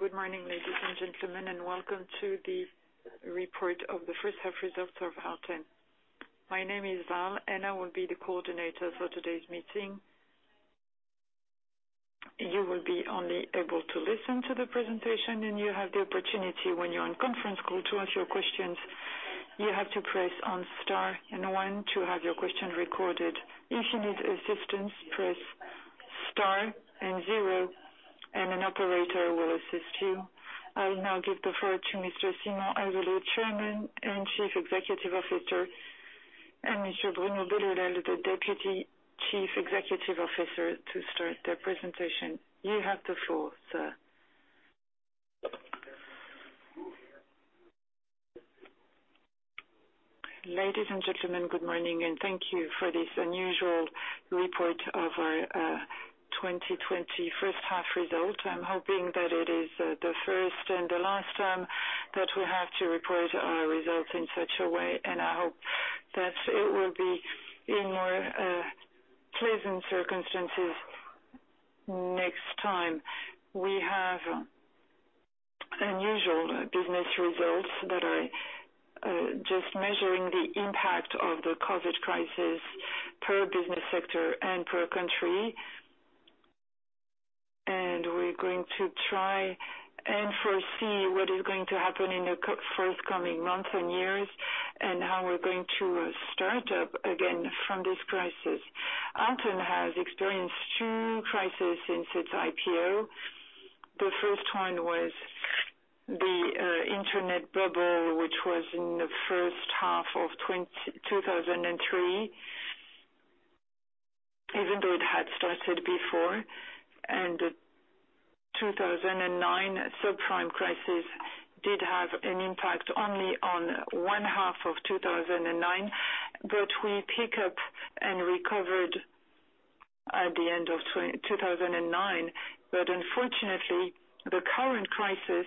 Good morning, ladies and gentlemen, welcome to the report of the first half results of Alten. My name is Val, and I will be the coordinator for today's meeting. You will be only able to listen to the presentation, and you have the opportunity when you're on conference call to ask your questions. You have to press on star and one to have your question recorded. If you need assistance, press star and 0 and an operator will assist you. I will now give the floor to Mr. Simon Azoulay, Chairman and Chief Executive Officer, and Mr. Bruno Benoliel, the Deputy Chief Executive Officer, to start their presentation. You have the floor, sir. Ladies and gentlemen, good morning, thank you for this unusual report of our 2020 first half results. I'm hoping that it is the first and the last time that we have to report our results in such a way, I hope that it will be in more pleasant circumstances next time. We have unusual business results that are just measuring the impact of the COVID crisis per business sector and per country. We're going to try and foresee what is going to happen in the forthcoming months and years, and how we're going to start up again from this crisis. Alten has experienced two crises since its IPO. The first one was the internet bubble, which was in the first half of 2003, even though it had started before. The 2009 subprime crisis did have an impact only on one half of 2009. We pick up and recovered at the end of 2009. Unfortunately, the current crisis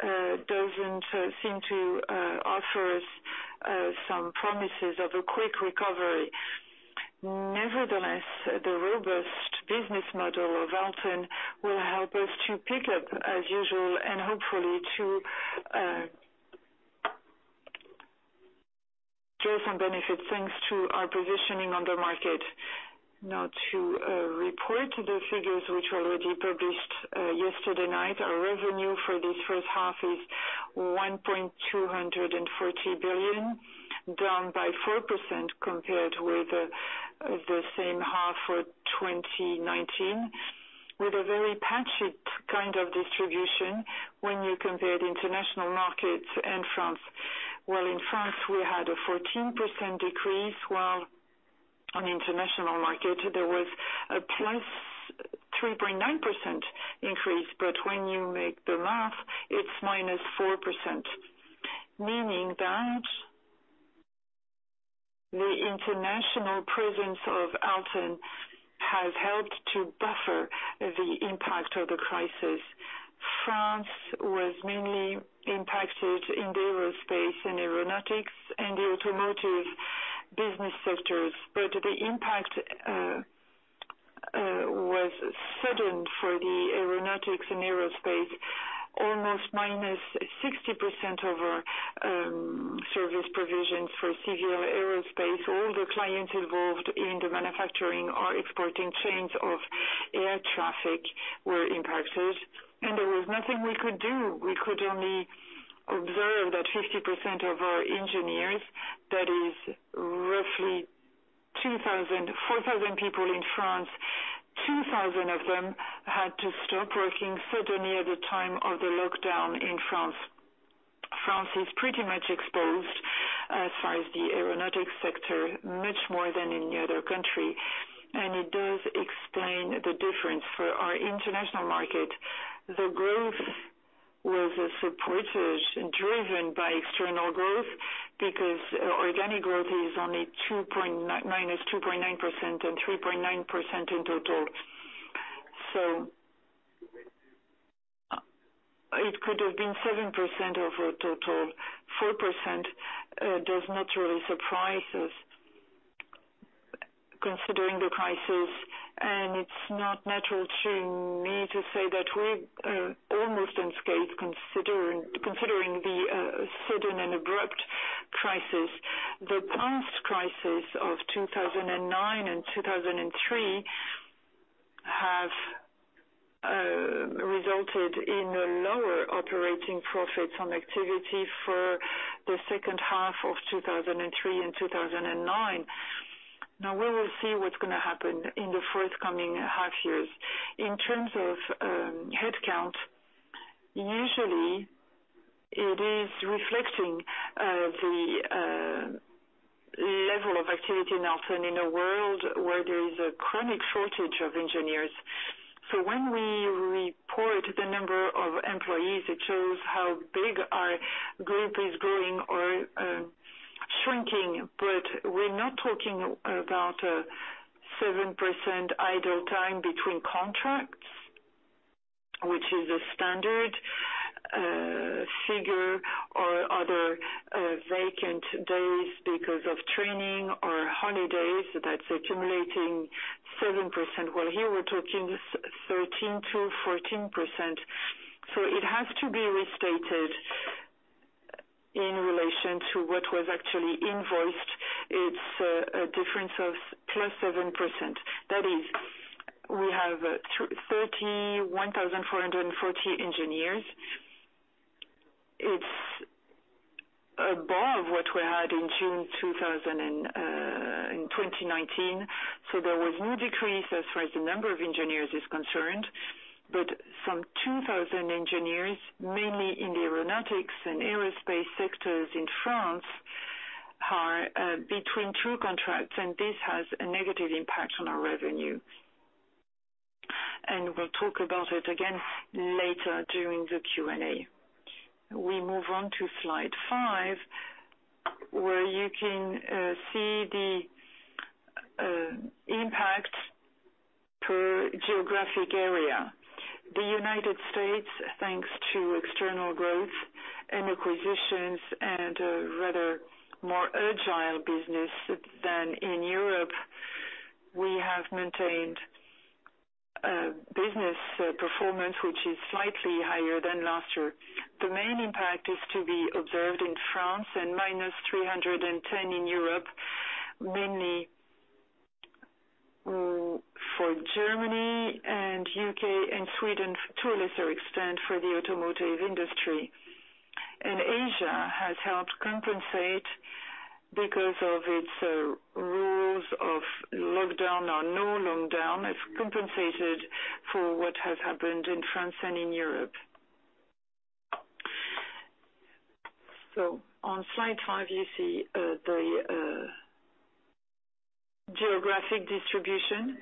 doesn't seem to offer us some promises of a quick recovery. Nevertheless, the robust business model of Alten will help us to pick up as usual and hopefully to draw some benefits thanks to our positioning on the market. Now to report the figures which were already published yesterday night. Our revenue for this first half is 1.240 billion, down by four percent compared with the same half for 2019. With a very patchy kind of distribution when you compare the international markets and France. Well, in France, we had a 14% decrease, while on the international market, there was a plus 3.9% increase. When you make the math, it's -four percent. Meaning that the international presence of Alten has helped to buffer the impact of the crisis. France was mainly impacted in the aerospace and aeronautics and the automotive business sectors. The impact was sudden for the aeronautics and aerospace, almost -60% of our service provisions for civil aerospace. All the clients involved in the manufacturing or exporting chains of air traffic were impacted, and there was nothing we could do. We could only observe that 50% of our engineers, that is roughly 4,000 people in France, 2,000 of them had to stop working suddenly at the time of the lockdown in France. France is pretty much exposed as far as the aeronautics sector, much more than any other country, and it does explain the difference. For our international market, the growth was supported, driven by external growth because organic growth is only -2.9% and 3.9% in total. It could have been seven percent over total, four percent does not really surprise us considering the crisis, and it's not natural to me to say that we almost escaped considering the sudden and abrupt crisis. The past crisis of 2009 and 2003 have resulted in lower operating profits on activity for the second half of 2003 and 2009. We will see what's going to happen in the forthcoming half years. In terms of headcount, usually it is reflecting the level of activity now than in a world where there is a chronic shortage of engineers. When we report the number of employees, it shows how big our group is growing or shrinking. We're not talking about a seven percent idle time between contracts, which is a standard figure or other vacant days because of training or holidays, that's accumulating seven percent. Here we're talking 13%-14%. It has to be restated in relation to what was actually invoiced. It's a difference of plus seven percent. That is, we have 31,440 engineers. It's above what we had in June 2019. There was no decrease as far as the number of engineers is concerned. Some 2,000 engineers, mainly in the aeronautics and aerospace sectors in France, are between two contracts, and this has a negative impact on our revenue. We'll talk about it again later during the Q&A. We move on to slide five, where you can see the impact per geographic area. The U.S., thanks to external growth and acquisitions and a rather more agile business than in Europe, we have maintained business, performance, which is slightly higher than last year. The main impact is to be observed in France, minus 310 in Europe, mainly for Germany, U.K., and Sweden, to a lesser extent for the automotive industry. Asia has helped compensate because of its rules of lockdown or no lockdown, has compensated for what has happened in France and in Europe. On slide five, you see the geographic distribution.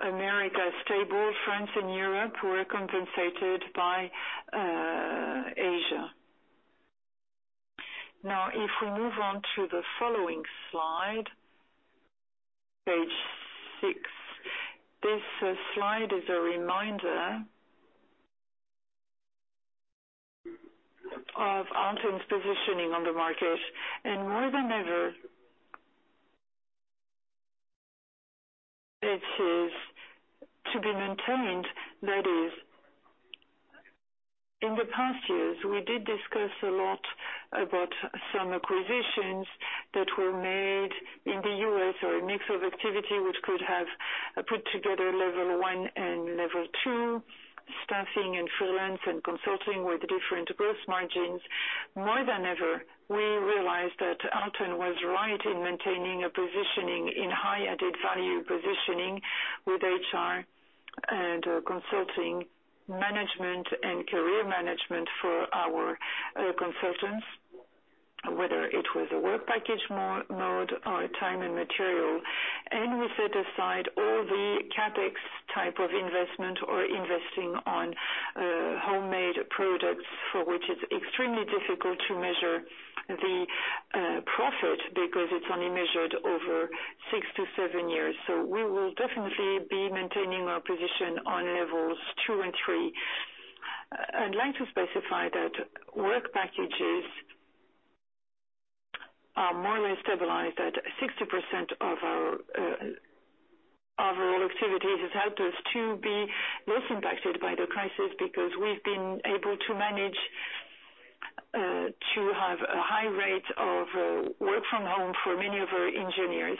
America is stable, France and Europe were compensated by Asia. If we move on to the following slide, page six. This slide is a reminder of Alten's positioning on the market, and more than ever, it is to be maintained. That is, in the past years, we did discuss a lot about some acquisitions that were made in the U.S. or a mix of activity which could have put together level one and level two staffing and freelance and consulting with different gross margins. More than ever, we realized that Alten was right in maintaining a positioning in high added value positioning with HR and consulting management and career management for our consultants, whether it was a work package mode or a time and material. We set aside all the CapEx type of investment or investing on homemade products for which it is extremely difficult to measure the profit because it is only measured over six - seven years. We will definitely be maintaining our position on levels two and three. I would like to specify that work packages are more or less stabilized at 60% of our activities has helped us to be less impacted by the crisis because we have been able to manage to have a high rate of work from home for many of our engineers.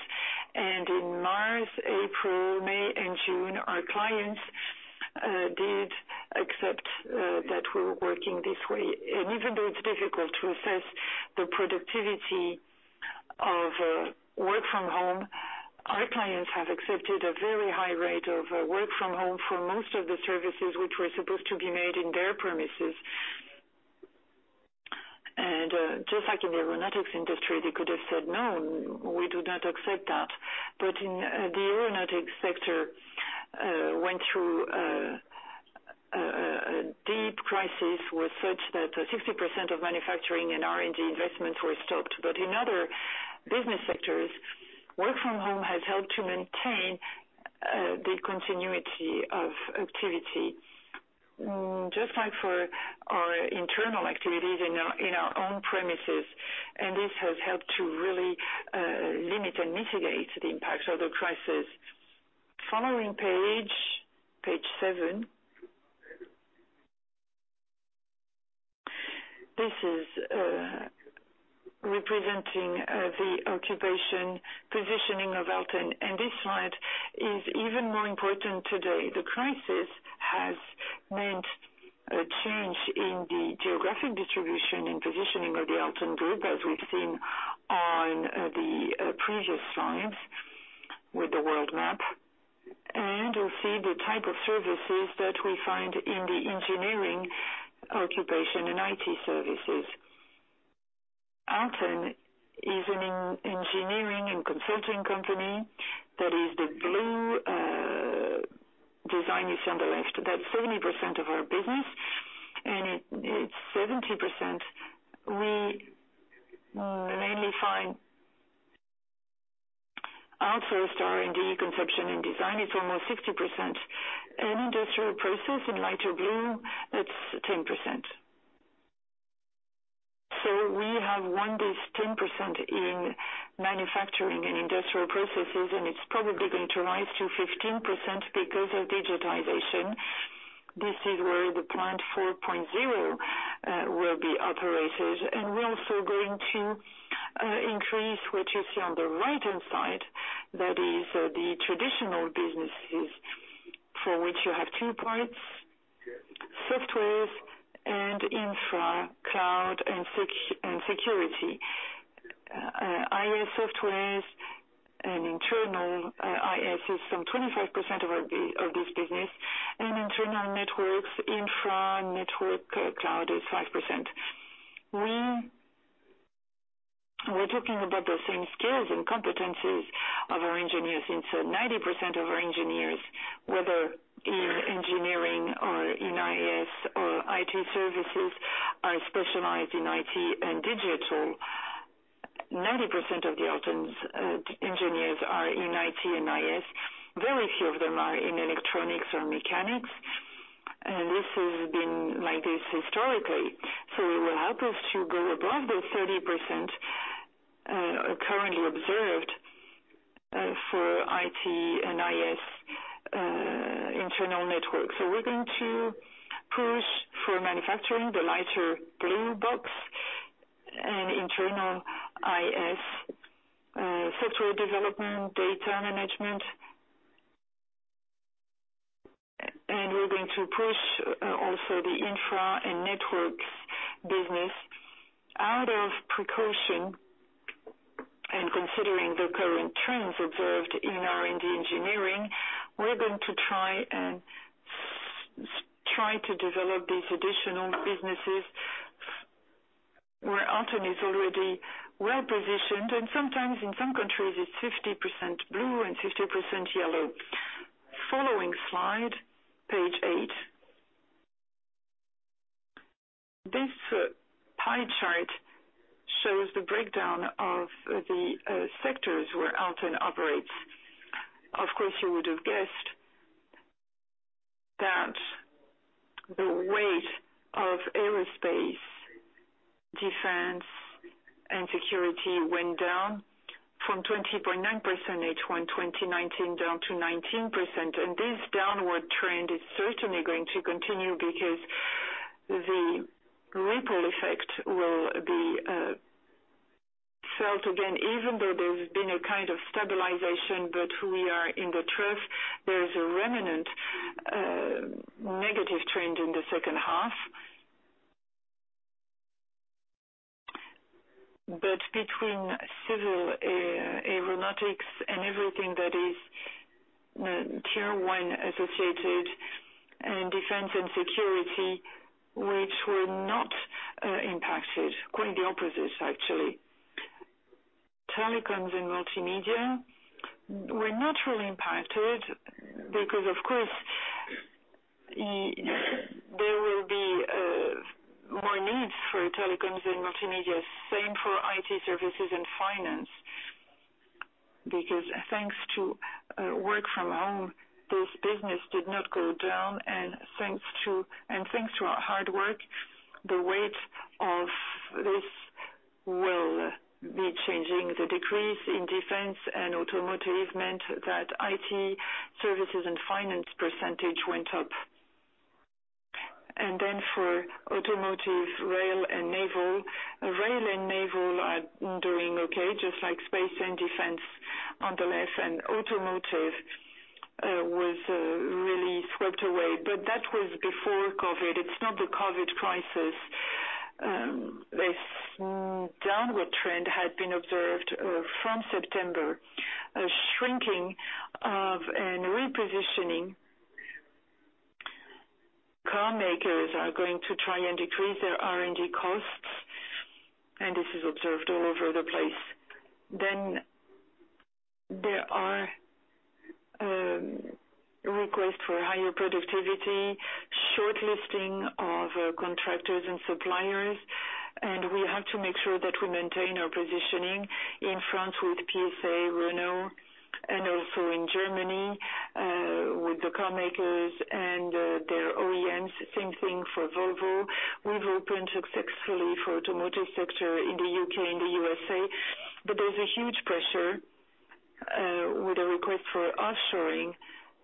In March, April, May, and June, our clients did accept that we were working this way. Even though it's difficult to assess the productivity of work from home, our clients have accepted a very high rate of work from home for most of the services which were supposed to be made in their premises. Just like in the aeronautics industry, they could have said, "No, we do not accept that." The aeronautics sector went through a deep crisis, was such that 60% of manufacturing and R&D investments were stopped. In other business sectors, work from home has helped to maintain the continuity of activity, just like for our internal activities in our own premises. This has helped to really limit and mitigate the impact of the crisis. Following page seven. This is representing the occupation positioning of Alten. This slide is even more important today. The crisis has meant a change in the geographic distribution and positioning of the Alten Group, as we've seen on the previous slides with the world map. You'll see the type of services that we find in the engineering occupation and IT services. Alten is an engineering and consulting company that is the blue design you see on the left. That's 70% of our business. It's almost 60%. Industrial process in lighter blue, that's 10%. We have won this 10% in manufacturing and industrial processes, and it's probably going to rise to 15% because of digitization. This is where the Plant 4.0 will be operated. We're also going to increase what you see on the right-hand side. That is the traditional businesses for which you have two parts, softwares and infra cloud and security. IS softwares and internal IS is some 25% of this business. Internal networks, infra network cloud is five percent. We're talking about the same skills and competencies of our engineers. 90% of our engineers, whether in engineering or in IS or IT services, are specialized in IT and digital. 90% of the Alten's engineers are in IT and IS. Very few of them are in electronics or mechanics. This has been like this historically. It will help us to go above the 30% currently observed for IT and IS internal network. We're going to push for manufacturing, the lighter blue box, and internal IS, software development, data management. We're going to push also the infra and networks business. Out of precaution and considering the current trends observed in R&D engineering, we're going to try to develop these additional businesses where Alten is already well-positioned, and sometimes in some countries it's 50% blue and 50% yellow. Following slide, page eight. This pie chart shows the breakdown of the sectors where Alten operates. Of course, you would have guessed that the weight of aerospace, defense, and security went down from 20.9% H1 2019 down to 19%. This downward trend is certainly going to continue because the ripple effect will be felt again, even though there's been a kind of stabilization. We are in the trough. There is a remnant negative trend in the second half. Between civil aeronautics and everything that is Tier 1 associated and defense and security, which were not impacted, quite the opposite actually. Telecoms and multimedia were not really impacted because, of course, there will be more needs for telecoms and multimedia. Same for IT services and finance, because thanks to work from home, this business did not go down. Thanks to our hard work, the weight of this will be changing. The decrease in defense and automotive meant that IT services and finance percentage went up. Then for automotive, rail, and naval. Rail and naval are doing okay, just like space and defense on the left. Automotive was really swept away, but that was before COVID. It's not the COVID crisis. This downward trend had been observed from September, a shrinking of and repositioning. Car makers are going to try and decrease their R&D costs, and this is observed all over the place. There are requests for higher productivity, shortlisting of contractors and suppliers, and we have to make sure that we maintain our positioning in France with PSA, Renault, and also in Germany with the car makers and their OEMs. Same thing for Volvo. We've opened successfully for automotive sector in the U.K. and the U.S.A., but there's a huge pressure with a request for offshoring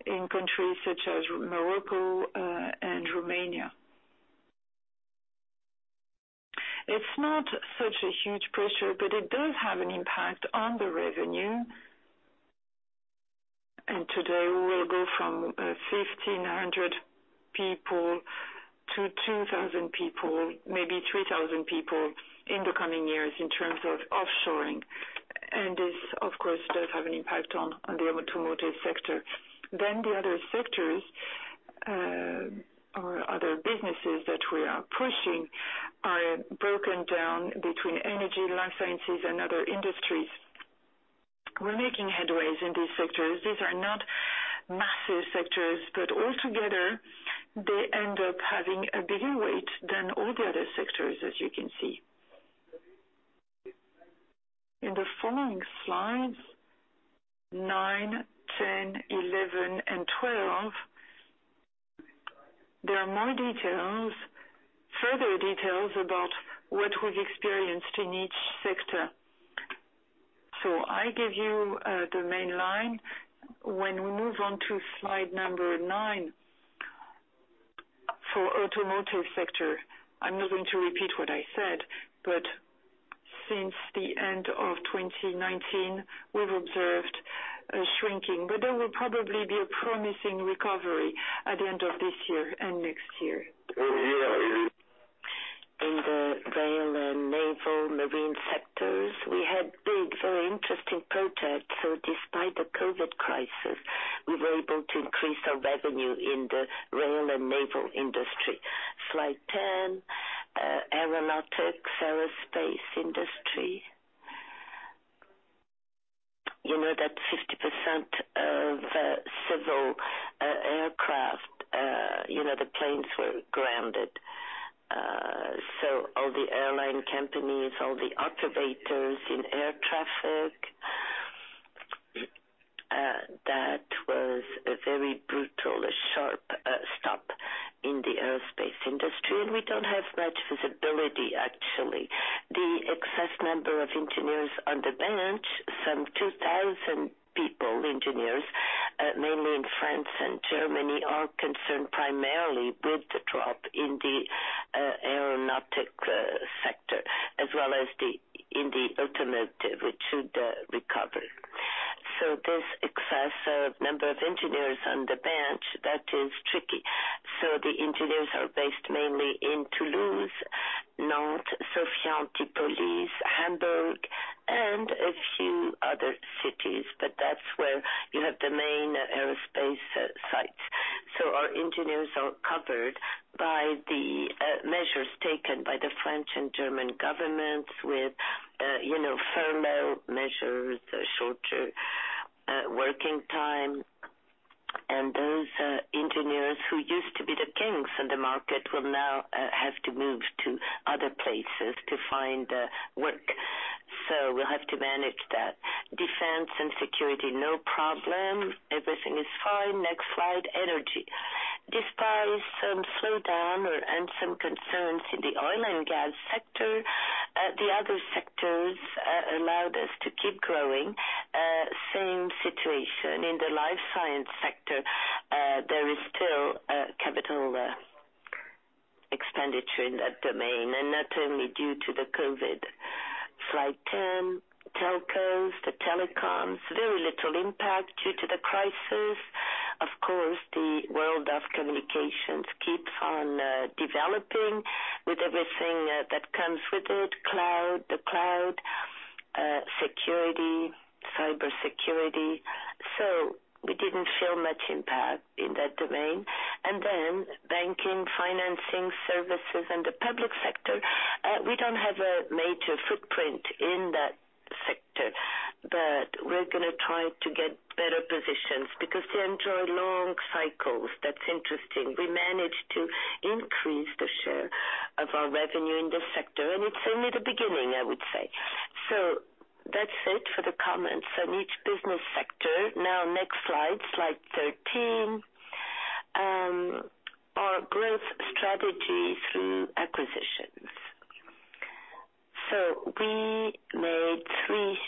in countries such as Morocco and Romania. It's not such a huge pressure, but it does have an impact on the revenue. Today we will go from 1,500 people to 2,000 people, maybe 3,000 people in the coming years in terms of offshoring. This, of course, does have an impact on the automotive sector. The other sectors or other businesses that we are pushing are broken down between energy, life sciences, and other industries. We're making headways in these sectors. These are not massive sectors, but altogether they end up having a bigger weight than all the other sectors, as you can see. In the following slides nine, 10, 11, and 12, there are further details about what we've experienced in each sector. I give you the main line. When we move on to slide number nine, for automotive sector, I'm not going to repeat what I said, but since the end of 2019, we've observed a shrinking, but there will probably be a promising recovery at the end of this year and next year. In the rail and naval marine sectors, we had big, very interesting projects. Despite the COVID crisis, we were able to increase our revenue in the rail and naval industry. Slide 10, aeronautics, aerospace industry. You know that 50% of civil aircraft, the planes were grounded. All the airline companies, all the operators in air traffic, that was a very brutal, sharp stop in the aerospace industry. We don't have much visibility, actually. The excess number of engineers on the bench, some 2,000 people, engineers, mainly in France and Germany, are concerned primarily with the drop in the aeronautics sector as well as in the automotive, which should recover. This excess number of engineers on the bench, that is tricky. The engineers are based mainly in Toulouse, Nantes, Sophia Antipolis, Hippolys, Hamburg, and a few other cities, but that's where you have the main aerospace sites. Our engineers are covered by the measures taken by the French and German governments with furlough measures, shorter working time. Those engineers who used to be the kings in the market will now have to move to other places to find work. We'll have to manage that. Defense and security, no problem. Everything is fine. Next slide, energy. Despite some slowdown and some concerns in the oil and gas sector, the other sectors allowed us to keep growing. Same situation in the life science sector. There is still CapEx in that domain, and not only due to the COVID. Slide 10, telcos, the telecoms, very little impact due to the crisis. Of course, the world of communications keeps on developing with everything that comes with it, cloud, the cloud, security, cyber security. We didn't feel much impact in that domain. Banking, financing services, and the public sector, we don't have a major footprint in that sector, but we're going to try to get better positions because they enjoy long cycles. That's interesting. We managed to increase the share of our revenue in this sector, and it's only the beginning, I would say. That's it for the comments on each business sector. Next slide 13, our growth strategy through acquisitions. We made three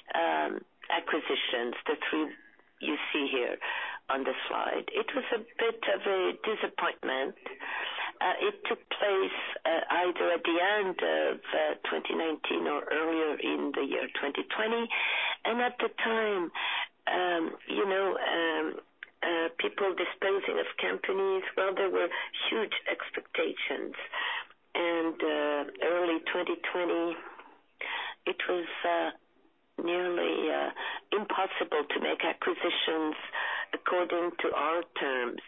acquisitions, the three you see here on the slide. It was a bit of a disappointment. It took place either at the end of 2019 or earlier in the year 2020. At the time, people dispensing of companies, well, there were huge expectations. Early 2020, it was nearly impossible to make acquisitions according to our terms.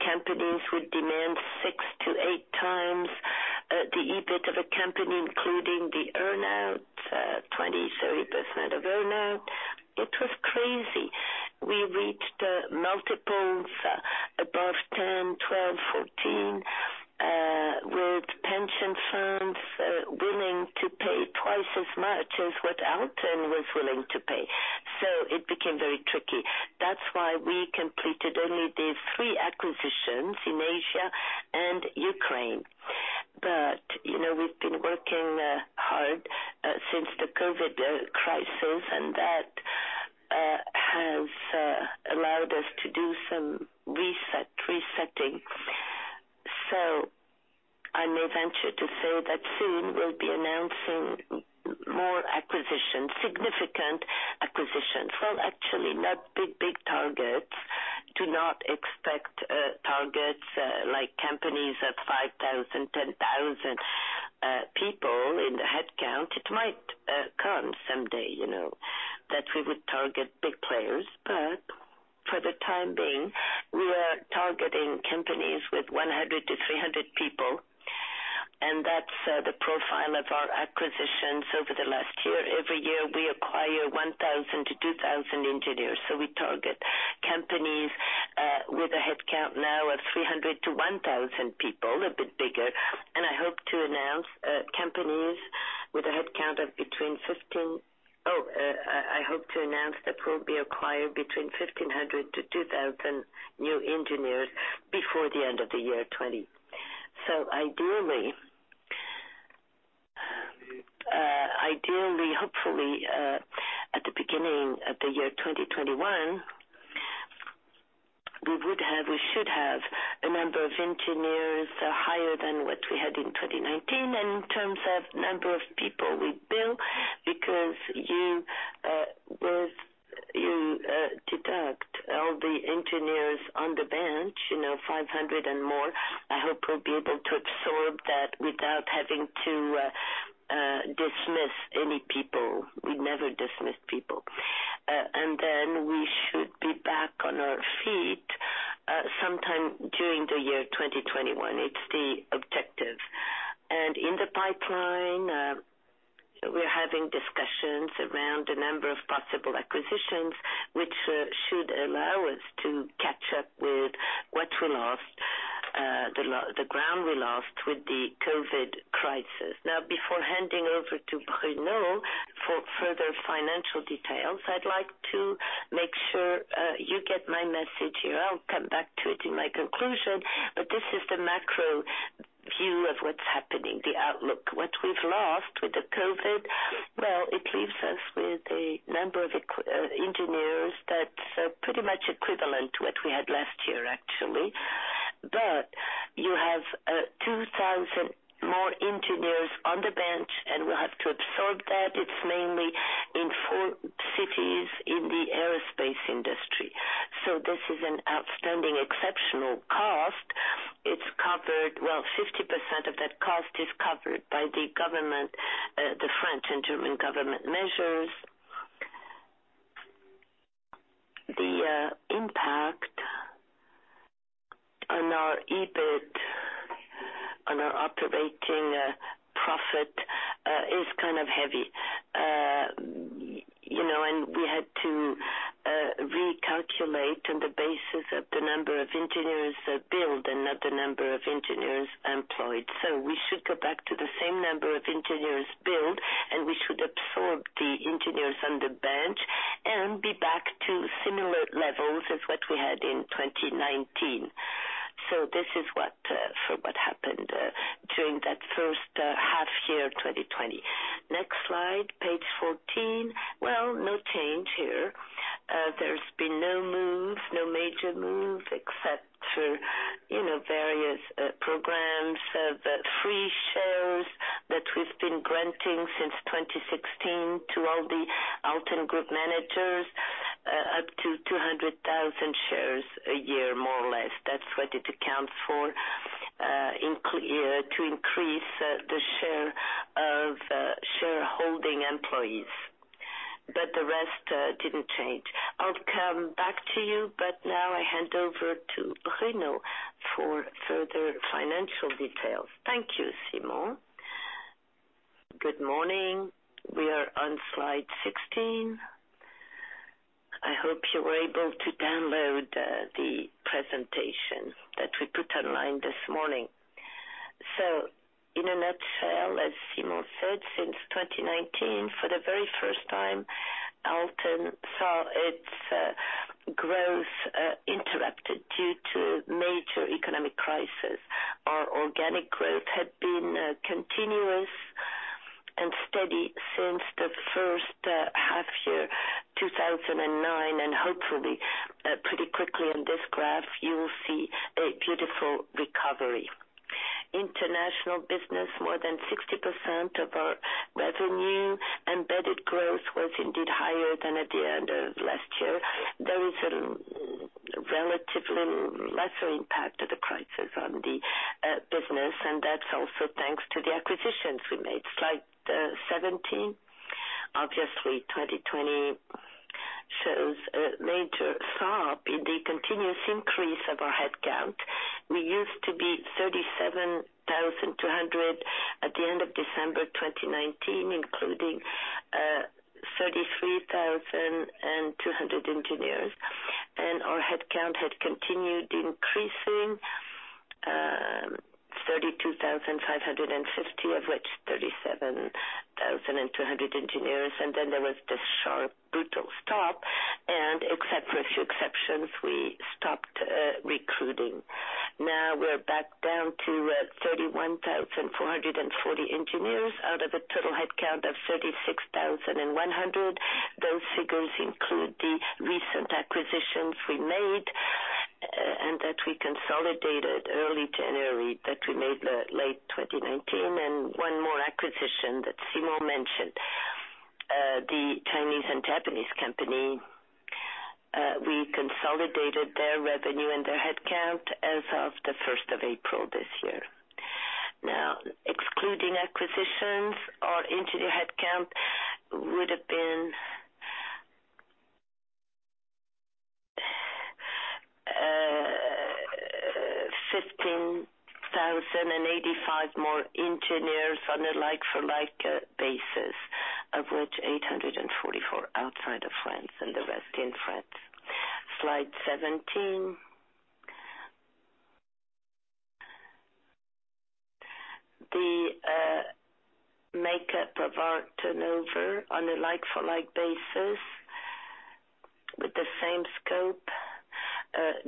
Companies would demand 6x - 8x the EBIT of a company, including the earn-out, 20%, 30% of earn-out. It was crazy. We reached multiples above 10, 12, 14, with pension funds willing to pay twice as much as what Alten was willing to pay. It became very tricky. That's why we completed only these three acquisitions in Asia and Ukraine. We've been working hard since the COVID crisis, and that has allowed us to do some resetting. I may venture to say that soon we'll be announcing more acquisitions, significant acquisitions. Actually, not big targets. Do not expect targets like companies of 5,000, 10,000 people in the headcount. It might come someday that we would target big players. For the time being, we are targeting companies with 100 - 300 people, and that's the profile of our acquisitions over the last year. We target companies with a headcount now of 300 - 1,000 people, a bit bigger. I hope to announce that we'll be acquiring between 1,500 - 2,000 new engineers before the end of the year 2020. Ideally, hopefully, at the beginning of 2021, we should have a number of engineers higher than what we had in 2019, and in terms of number of people we bill, because you deduct all the engineers on the bench, 500 and more. I hope we'll be able to absorb that without having to dismiss any people. We never dismiss people. We should be back on our feet sometime during 2021. It's the objective. In the pipeline, we're having discussions around a number of possible acquisitions, which should allow us to catch up with what we lost, the ground we lost with the COVID crisis. Now, before handing over to Bruno for further financial details, I'd like to make sure you get my message here. I'll come back to it in my conclusion, this is the macro view of what's happening, the outlook. What we've lost with the COVID, well, it leaves us with a number of engineers that's pretty much equivalent to what we had last year, actually. You have 2,000 more engineers on the bench, and we'll have to absorb that. It's mainly in four cities in the aerospace industry. This is an outstanding, exceptional cost. 50% of that cost is covered by the French and German government measures. The impact on our EBIT, on our operating profit is kind of heavy. We had to recalculate on the basis of the number of engineers billed and not the number of engineers employed. We should go back to the same number of engineers billed, and we should absorb the engineers on the bench and be back to similar levels as what we had in 2019. This is what happened during that first half year, 2020. Next slide, page 14. No change here. There's been no move, no major move except for various programs of free shares that we've been granting since 2016 to all the Alten Group managers, up to 200,000 shares a year, more or less. That's what it accounts for to increase the share of shareholding employees. The rest didn't change. I'll come back to you, now I hand over to Bruno for further financial details. Thank you, Simon. Good morning. We are on slide 16. I hope you were able to download the presentation that we put online this morning. In a nutshell, as Simon said, since 2019, for the very first time, Alten saw its growth interrupted due to major economic crisis. Our organic growth had been continuous and steady since the first half year 2009. Hopefully, pretty quickly on this graph, you will see a beautiful recovery. International business, more than 60% of our revenue. Embedded growth was indeed higher than at the end of last year. There is a relatively lesser impact of the crisis on the business. That's also thanks to the acquisitions we made. Slide 17. Obviously, 2020 shows a major sharp in the continuous increase of our headcount. We used to be 37,200 at the end of December 2019, including 33,200 engineers. Our headcount had continued increasing, 32,550, of which 37,200 engineers. There was this sharp brutal stop. Except for a few exceptions, we stopped recruiting. We're back down to 31,440 engineers out of a total headcount of 36,100. Those figures include the recent acquisitions we made and that we consolidated early January, that we made late 2019, and one more acquisition that Simon mentioned. The Chinese and Japanese company, we consolidated their revenue and their headcount as of the April 1st this year. Excluding acquisitions, 85 more engineers on a like-for-like basis, of which 844 are outside of France and the rest in France. Slide 17. The makeup of our turnover on a like-for-like basis with the same scope,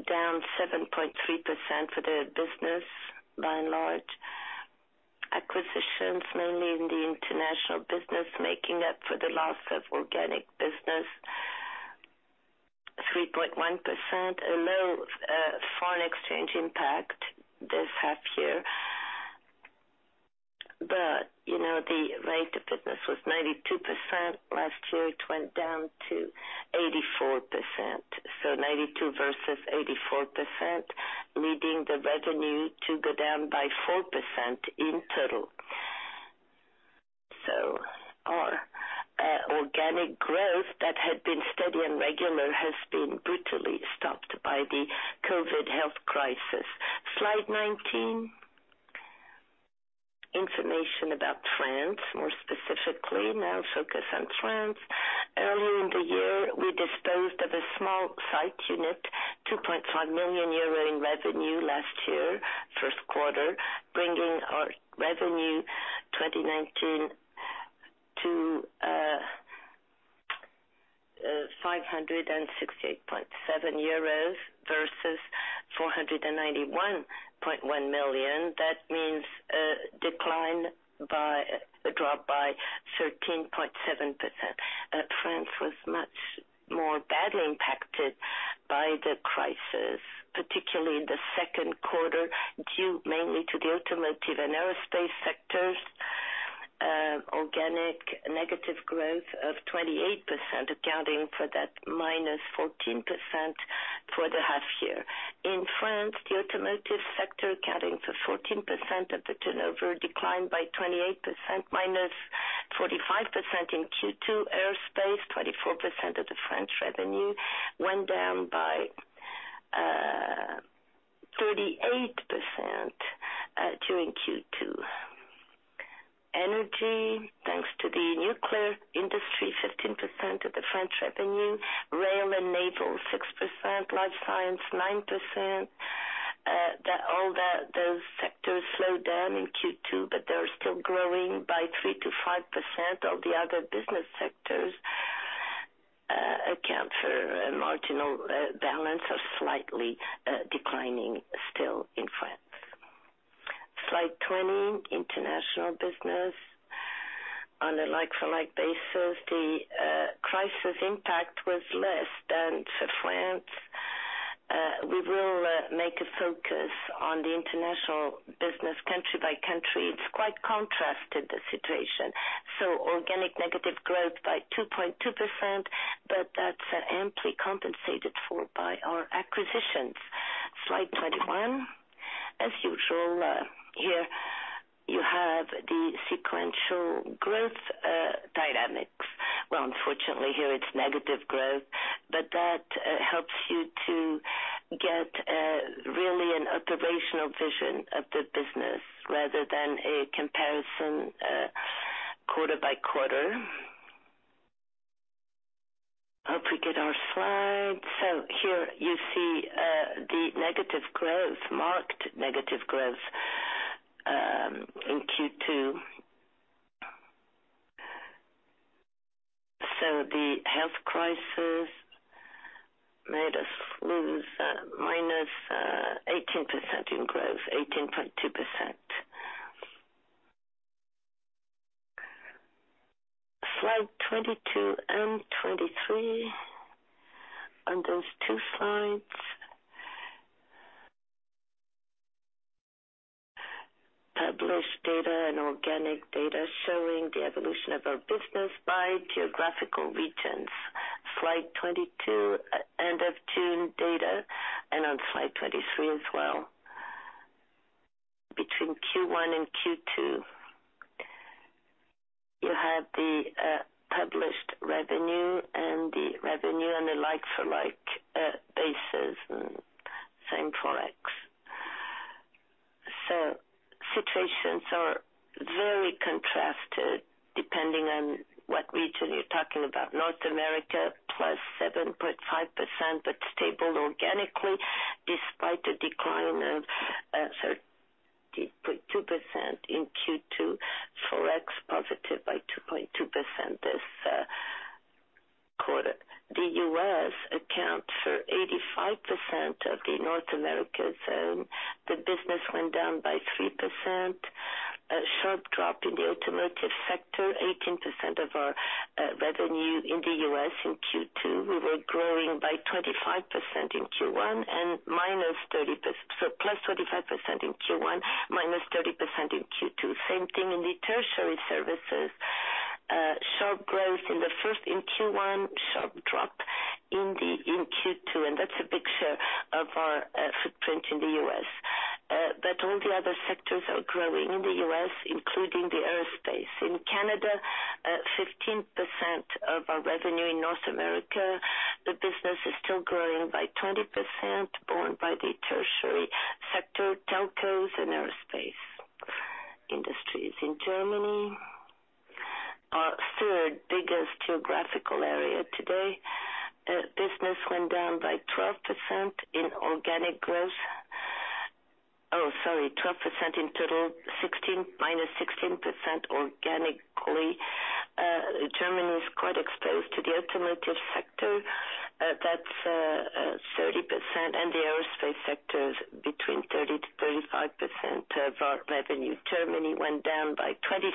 down 7.3% for the business by and large. Acquisitions mainly in the international business, making up for the loss of organic business, 3.1%, a low foreign exchange impact this half-year. The rate of business was 92% last year, it went down to 84%. 92 versus 84%, leading the revenue to go down by four percent in total. Our organic growth that had been steady and regular, has been brutally stopped by the COVID health crisis. Slide 19. Information about France, more specifically. Now focus on France. Earlier in the year, we disposed of a small site unit, 2.5 million euro in revenue last year, Q1, bringing our revenue 2019 to EUR 568.7 versus EUR 491.1 million. That means a drop by 13.7%. France was much more badly impacted by the crisis, particularly in theQ2, due mainly to the automotive and aerospace sectors. Organic negative growth of 28%, accounting for that -14% for the half-year. In France, the automotive sector, accounting for 14% of the turnover, declined by 28%, -45% in Q2. Aerospace, 24% of the French revenue, went down by 38% during Q2. Energy, thanks to the nuclear industry, 15% of the French revenue, rail and naval, six percent, life science, nine percent. All those sectors slowed down in Q2, they're still growing by three percent - five percent. All the other business sectors account for a marginal balance, are slightly declining still in France. Slide 20, international business. On a like-for-like basis, the crisis impact was less than for France. We will make a focus on the international business country by country. It's quite contrasted, the situation. Organic negative growth by 2.2%, that's amply compensated for by our acquisitions. Slide 21. As usual, here you have the sequential growth dynamics. Unfortunately here it's negative growth, that helps you to get really an operational vision of the business rather than a comparison quarter by quarter. Hope we get our slides. Here you see the negative growth, marked negative growth, in Q2. The health crisis made us lose -18% in growth, 18.2%. Slide 22 and 23. On those two slides, published data and organic data showing the evolution of our business by geographical regions. Slide 22, end of June data, and on slide 23 as well. Between Q1 and Q2, you have the published revenue and the revenue on a like-for-like basis and same Forex. Situations are very contrasted depending on what region you're talking about. North America, +7.5%, but stable organically despite a decline of 30.2% in Q2, Forex positive by 2.2% this quarter. The U.S. account for 85% of the North America zone. The business went down by three percent, a sharp drop in the automotive sector, 18% of our revenue in the U.S. in Q2. We were growing by +25% in Q1, -30% in Q2. Same thing in the tertiary services. Sharp growth in Q1, sharp drop in Q2. That's a picture of our footprint in the U.S. All the other sectors are growing in the U.S., including the aerospace in Canada, 15% of our revenue in North America. The business is still growing by 20%, borne by the tertiary sector, telcos, and aerospace industries. In Germany, our third biggest geographical area today, business went down by 12% in organic growth. Oh, sorry, 12% in total, minus 16% organically. Germany is quite exposed to the automotive sector, that's 30%, and the aerospace sector is between 30%-35% of our revenue. Germany went down by 26%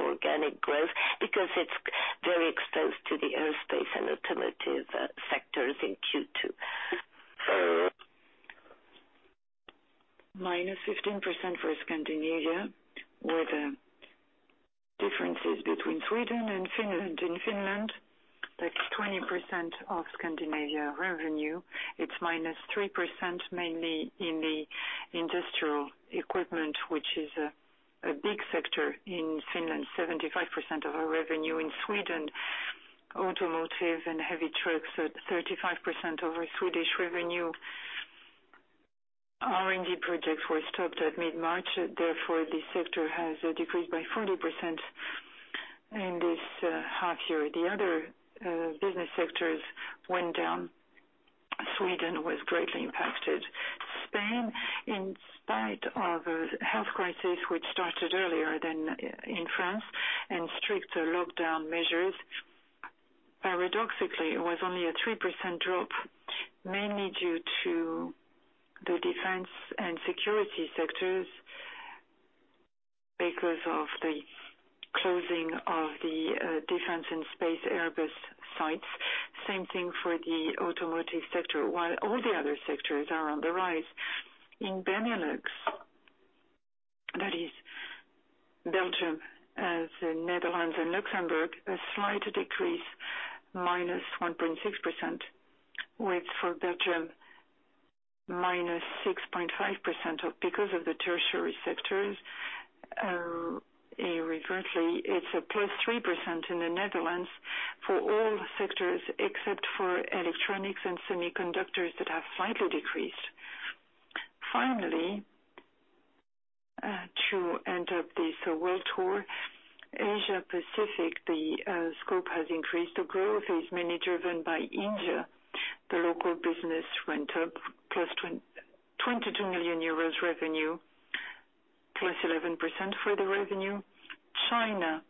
organic growth because it's very exposed to the aerospace and automotive sectors in Q2. Minus 15% for Scandinavia, where the difference is between Sweden and Finland. In Finland, that's 20% of Scandinavia revenue. It's minus three percent, mainly in the industrial equipment, which is a big sector in Finland, 75% of our revenue. In Sweden, automotive and heavy trucks at 35% of our Swedish revenue. R&D projects were stopped at mid-March, therefore this sector has decreased by 40% in this half year. The other business sectors went down. Sweden was greatly impacted. Spain, in spite of a health crisis which started earlier than in France and stricter lockdown measures, paradoxically, it was only a three percent drop, mainly due to the defense and security sectors because of the closing of the defense and space Airbus sites. Same thing for the automotive sector, while all the other sectors are on the rise. In Benelux, that is Belgium, Netherlands, and Luxembourg, a slight decrease, minus 1.6%, with for Belgium, minus 6.5% because of the tertiary sectors. Inadvertently, it's a +three percent in the Netherlands for all sectors except for electronics and semiconductors that have slightly decreased. To end up this world tour, Asia Pacific, the scope has increased. The growth is mainly driven by India. The local business went up +EUR 22 million revenue, +11% for the revenue. China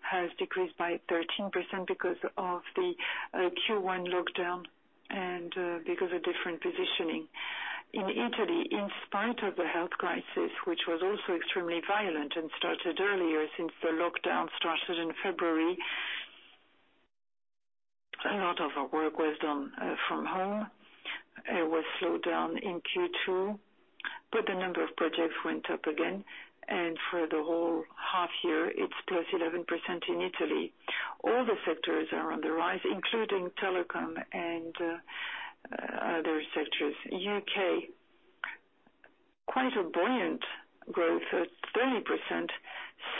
has decreased by 13% because of the Q1 lockdown and because of different positioning. In Italy, in spite of the health crisis, which was also extremely violent and started earlier since the lockdown started in February, a lot of our work was done from home. It was slowed down in Q2, the number of projects went up again, and for the whole half year, it's +11% in Italy. All the sectors are on the rise, including telecom and other sectors. U.K., quite a buoyant growth at 30%,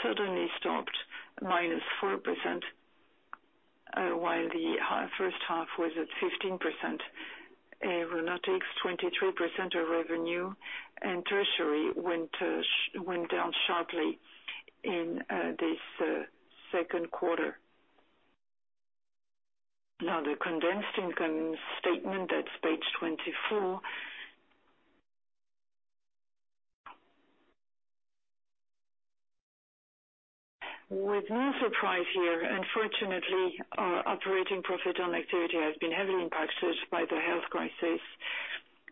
suddenly stopped, -four percent, while the first half was at 15%. Aeronautics, 23% of revenue, and tertiary went down sharply in this Q2. The condensed income statement, that's page 24. With no surprise here, unfortunately, our operating profit on activity has been heavily impacted by the health crisis.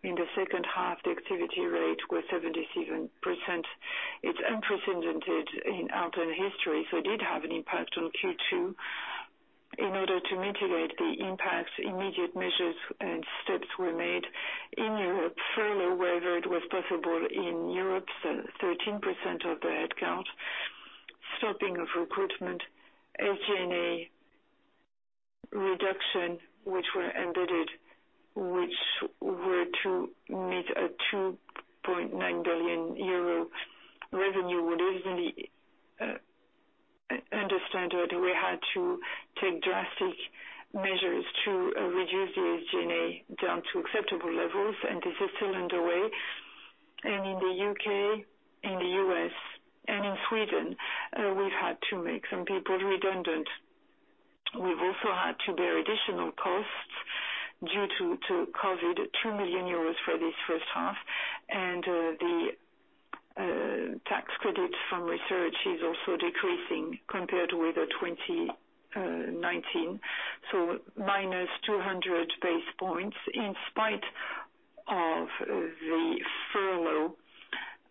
In the second half, the activity rate was 77%. It's unprecedented in Alten history, it did have an impact on Q2. In order to mitigate the impact, immediate measures and steps were made. In Europe, furlough wherever it was possible. In Europe, 13% of the headcount, stopping of recruitment, SG&A reduction, which were embedded, which were to meet a 2.9 billion euro revenue. Understand that we had to take drastic measures to reduce the SG&A down to acceptable levels, this is still underway. In the U.K., in the U.S., and in Sweden, we've had to make some people redundant. We've also had to bear additional costs due to COVID, 2 million euros for this first half, and the tax credit from research is also decreasing compared with 2019, so minus 200 basis points. In spite of the furlough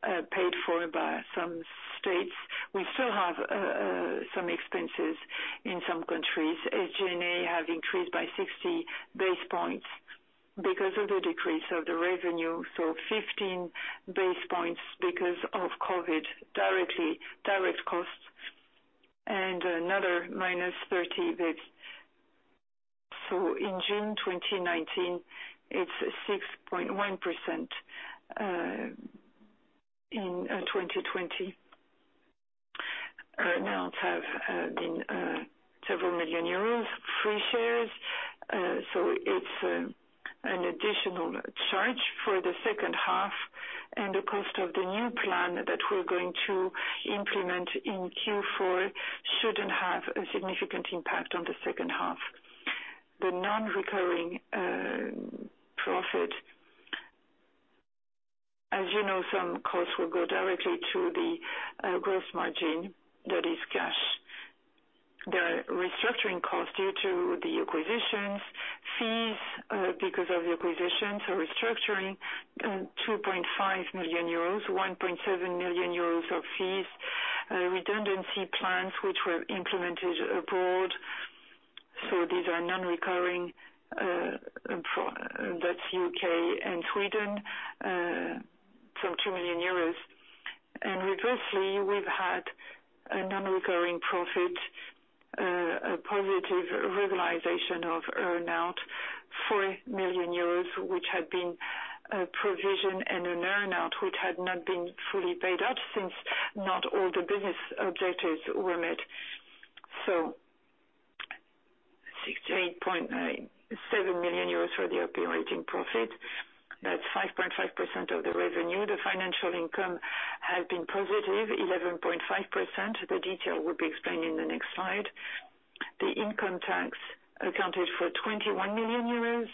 paid for by some states, we still have some expenses in some countries. SG&A have increased by 60 basis points because of the decrease of the revenue, so 15 basis points because of COVID direct costs and another minus 30. In June 2019, it's 6.1% in 2020. Amounts have been several million EUR, free shares. It's an additional charge for the second half, and the cost of the new plan that we're going to implement in Q4 shouldn't have a significant impact on the second half. The non-recurring profit. As you know, some costs will go directly to the gross margin, that is cash. The restructuring cost due to the acquisitions, fees because of the acquisitions or restructuring, 2.5 million euros, 1.7 million euros of fees, redundancy plans, which were implemented abroad. These are non-recurring, that's U.K. and Sweden, so EUR 2 million. Conversely, we've had a non-recurring profit, a positive realization of earn-out, 4 million euros, which had been a provision and an earn-out which had not been fully paid up since not all the business objectives were met. 68.7 million euros for the operating profit. That's 5.5% of the revenue. The financial income has been positive, 11.5%. The detail will be explained in the next slide. The income tax accounted for 21 million euros.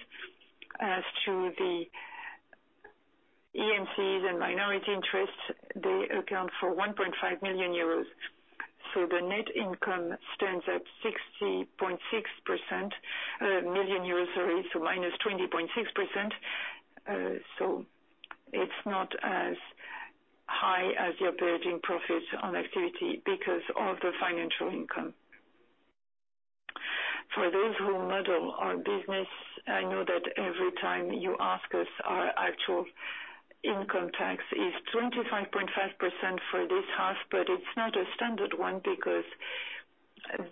As to the EMCs and minority interests, they account for 1.5 million euros. The net income stands at 60.6%, million EUR, sorry, minus 20.6%. It's not as high as the operating profits on activity because of the financial income. For those who model our business, I know that every time you ask us, our actual income tax is 25.5% for this half, it's not a standard one because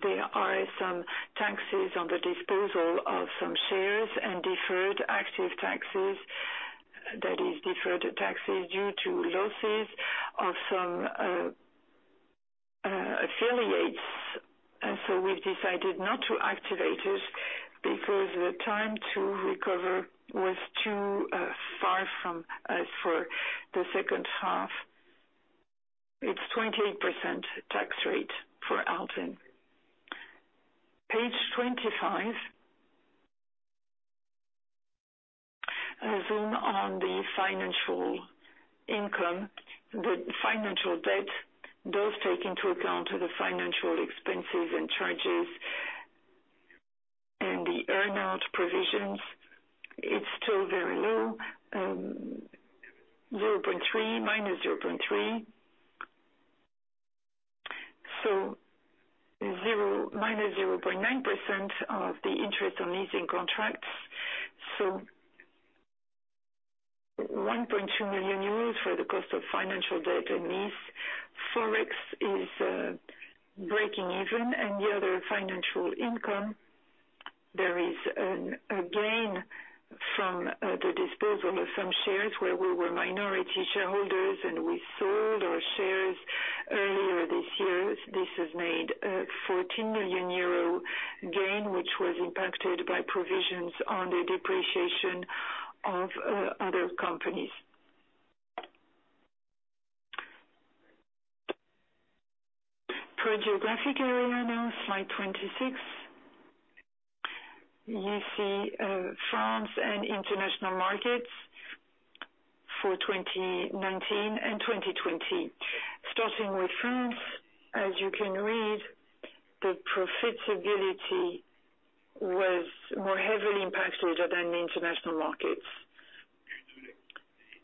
there are some taxes on the disposal of some shares and deferred active taxes. That is deferred taxes due to losses of some affiliates. We've decided not to activate it because the time to recover was too far from us for the second half. It's 28% tax rate for Alten. Page 25. A zoom on the financial income. The financial debt does take into account the financial expenses and charges and the earn-out provisions. It's still very low, minus 0.3. Minus 0.9% of the interest on leasing contracts. 1.2 million euros for the cost of financial debt and lease. Forex is breaking even and the other financial income. There is a gain from the disposal of some shares where we were minority shareholders, and we sold our shares earlier this year. This has made a 14 million euro gain, which was impacted by provisions on the depreciation of other companies. Per geographic area now, slide 26. You see France and international markets for 2019 and 2020. Starting with France, as you can read, the profitability was more heavily impacted than the international markets.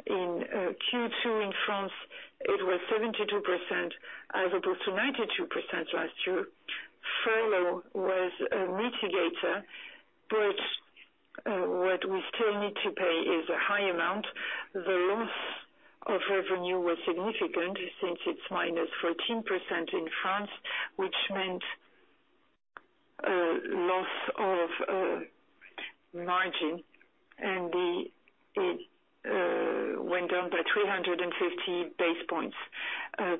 In Q2 in France, it was 72% as opposed to 92% last year. Furlough was a mitigator, but what we still need to pay is a high amount. The loss of revenue was significant since it's -14% in France, which meant a loss of margin, and it went down by 350 basis points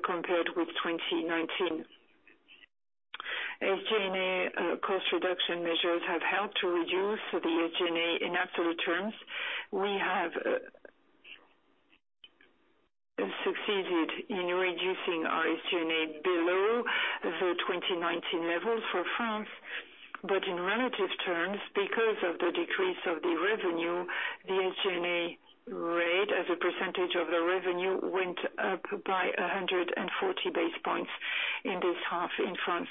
compared with 2019. SG&A cost reduction measures have helped to reduce the SG&A in absolute terms. We have succeeded in reducing our SG&A below the 2019 levels for France, but in relative terms, because of the decrease of the revenue, the SG&A rate as a percentage of the revenue went up by 140 basis points in this half in France.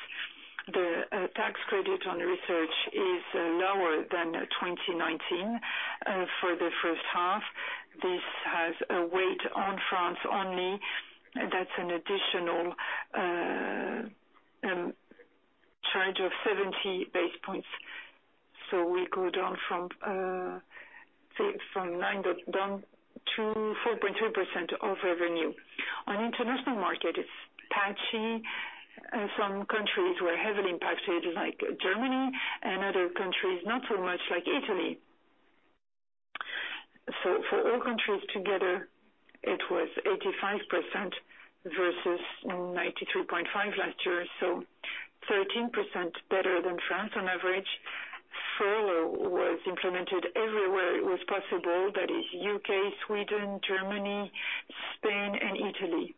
The tax credit on research is lower than 2019 for the first half. This has a weight on France only. That's an additional charge of 70 basis points. We go down from 9.1% to 4.2% of revenue. On international market, it's patchy. Some countries were heavily impacted, like Germany, and other countries not so much, like Italy. For all countries together, it was 85% versus 93.5% last year. 13% better than France on average. Furlough was implemented everywhere it was possible. That is U.K., Sweden, Germany, Spain and Italy.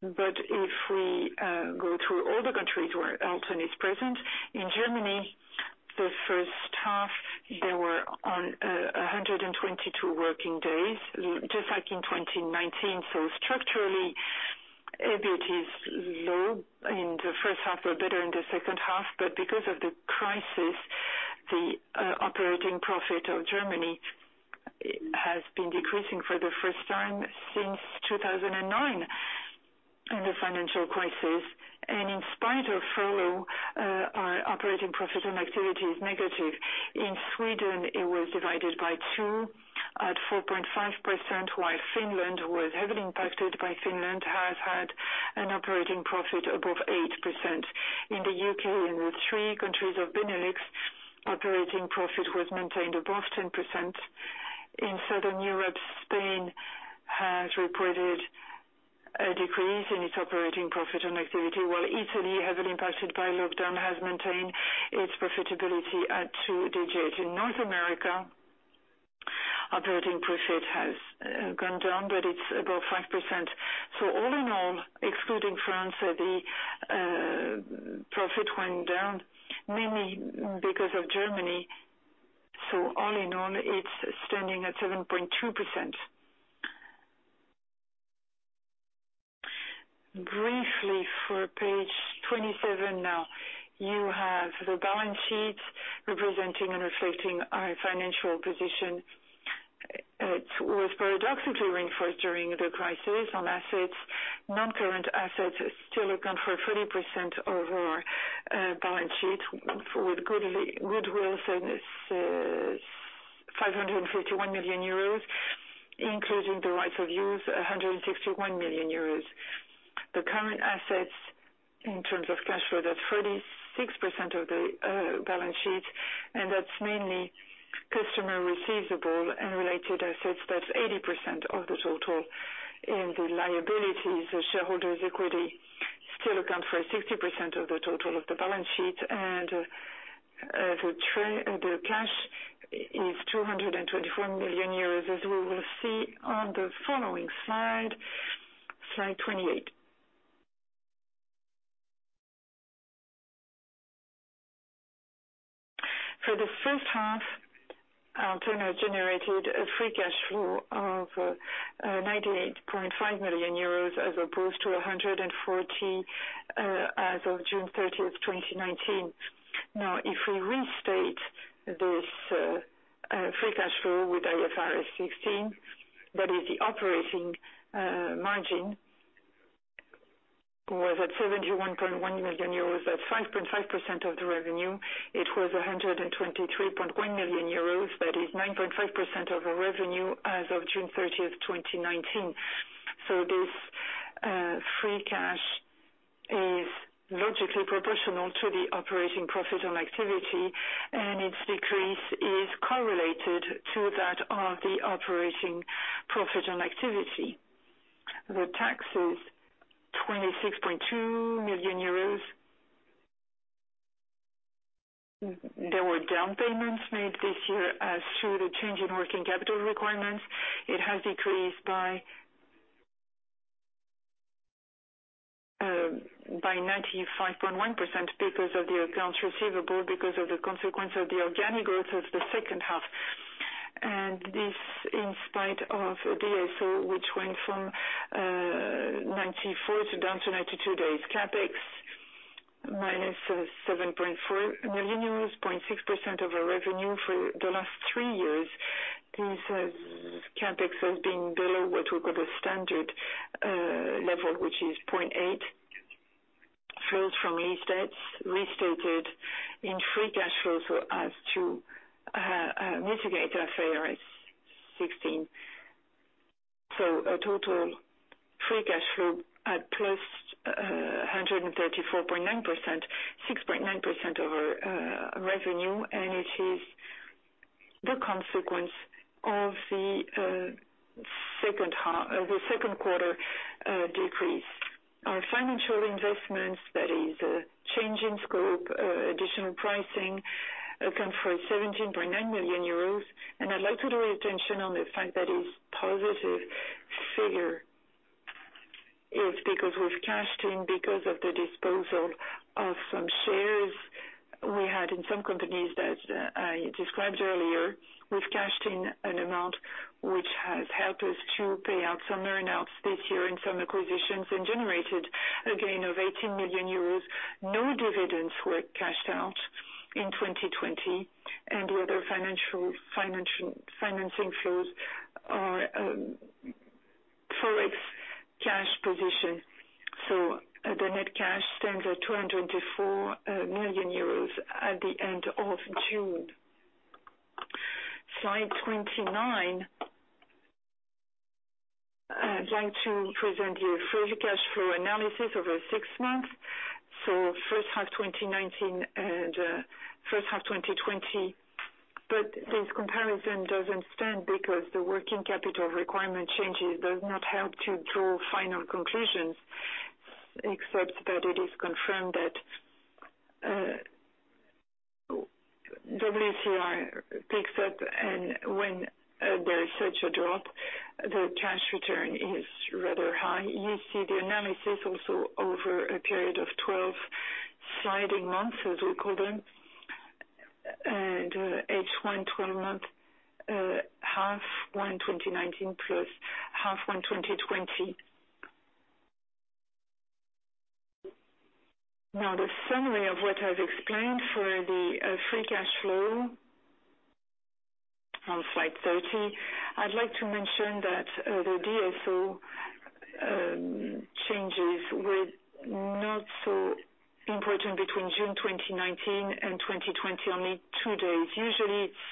If we go through all the countries where Alten is present, in Germany the first half, there were on 122 working days, just like in 2019. Structurally, EBIT is low in the first half or better in the second half, but because of the crisis, the operating profit of Germany has been decreasing for the first time since 2009 in the financial crisis. In spite of furlough, our operating profit and activity is negative. In Sweden, it was divided by two at 4.5%, while Finland was heavily impacted, but Finland has had an operating profit above eight percent. In the U.K. and the three countries of Benelux, operating profit was maintained above 10%. In Southern Europe, Spain has reported a decrease in its operating profit and activity, while Italy, heavily impacted by lockdown, has maintained its profitability at two digits. In North America, operating profit has gone down, it's above five percent. All in all, excluding France, the profit went down mainly because of Germany. All in all, it's standing at 7.2%. Briefly for page 27 now. You have the balance sheet representing and reflecting our financial position. It was paradoxically reinforced during the crisis on assets. Non-current assets still account for 30% of our balance sheet, with goodwill that is 551 million euros, including the rights of use, 161 million euros. The current assets in terms of cash flow, that's 36% of the balance sheet, and that's mainly customer receivable and related assets. That's 80% of the total. In the liabilities, the shareholders' equity still account for 60% of the total of the balance sheet. The cash is 224 million euros, as we will see on the following slide 28. For the first half, Alten has generated a free cash flow of 98.5 million euros as opposed to 140 million as of June 30, 2019. If we restate this free cash flow with IFRS 16, that is the operating margin, was at 71.1 million euros, at 5.5% of the revenue. It was 123.1 million euros, that is 9.5% of our revenue as of June 30, 2019. This free cash is logically proportional to the operating profit on activity, and its decrease is correlated to that of the operating profit on activity. The tax is EUR 26.2 million. There were down payments made this year as to the change in working capital requirements. It has decreased by 95.1% because of the accounts receivable, because of the consequence of the organic growth of the second half. This in spite of DSO, which went from 94 to down to 92 days. CapEx, minus 7.4 million euros, 0.6% of our revenue for the last three years. This CapEx has been below what we call the standard level, which is 0.8. Flows from lease debts restated in free cash flows so as to mitigate IFRS 16. A total free cash flow at plus 134.9%, 6.9% of our revenue, and it is the consequence of the second quarter decrease. Our financial investments, that is change in scope, additional pricing account for 17.9 million euros. I'd like to draw your attention on the fact that it's positive figure. It's because we've cashed in because of the disposal of some shares we had in some companies that I described earlier. We've cashed in an amount which has helped us to pay out some earn-outs this year and some acquisitions, and generated a gain of 18 million euros. No dividends were cashed out in 2020. The other financing flows are Forex. The net cash stands at 224 million euros at the end of June. Slide 29. I'd like to present you free cash flow analysis over six months. First half 2019 and, first half 2020. This comparison doesn't stand because the working capital requirement changes does not help to draw final conclusions, except that it is confirmed that WCR picks up and when there is such a drop, the cash return is rather high. You see the analysis also over a period of 12 sliding months, as we call them, and H1 12 month, half one 2019 plus half one 2020. The summary of what I've explained for the free cash flow on Slide 30. I'd like to mention that the DSO changes were not so important between June 2019 and 2020, only two days. Usually, it's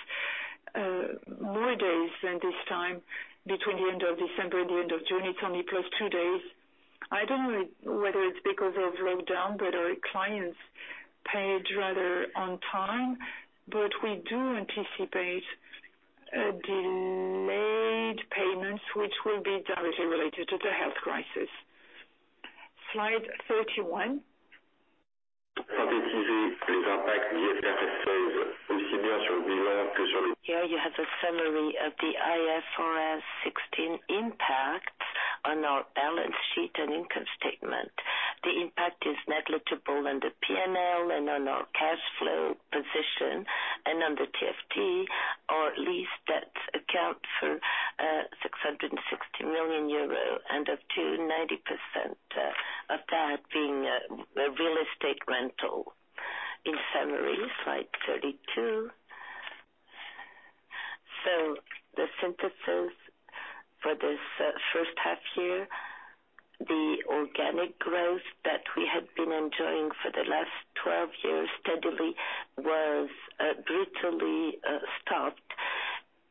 more days than this time between the end of December and the end of June. It's only plus two days. I don't know whether it's because of lockdown that our clients paid rather on time, but we do anticipate delayed payments which will be directly related to the health crisis. Slide 31. Here you have a summary of the IFRS 16 impact on our balance sheet and income statement. The impact is negligible on the P&L and on our cash flow position, and on the TFT, our lease debts account for 660 million euro, and up to 90% of that being real estate rental. In summary, slide 32. The synthesis for this first half year, the organic growth that we had been enjoying for the last 12 years steadily was brutally stopped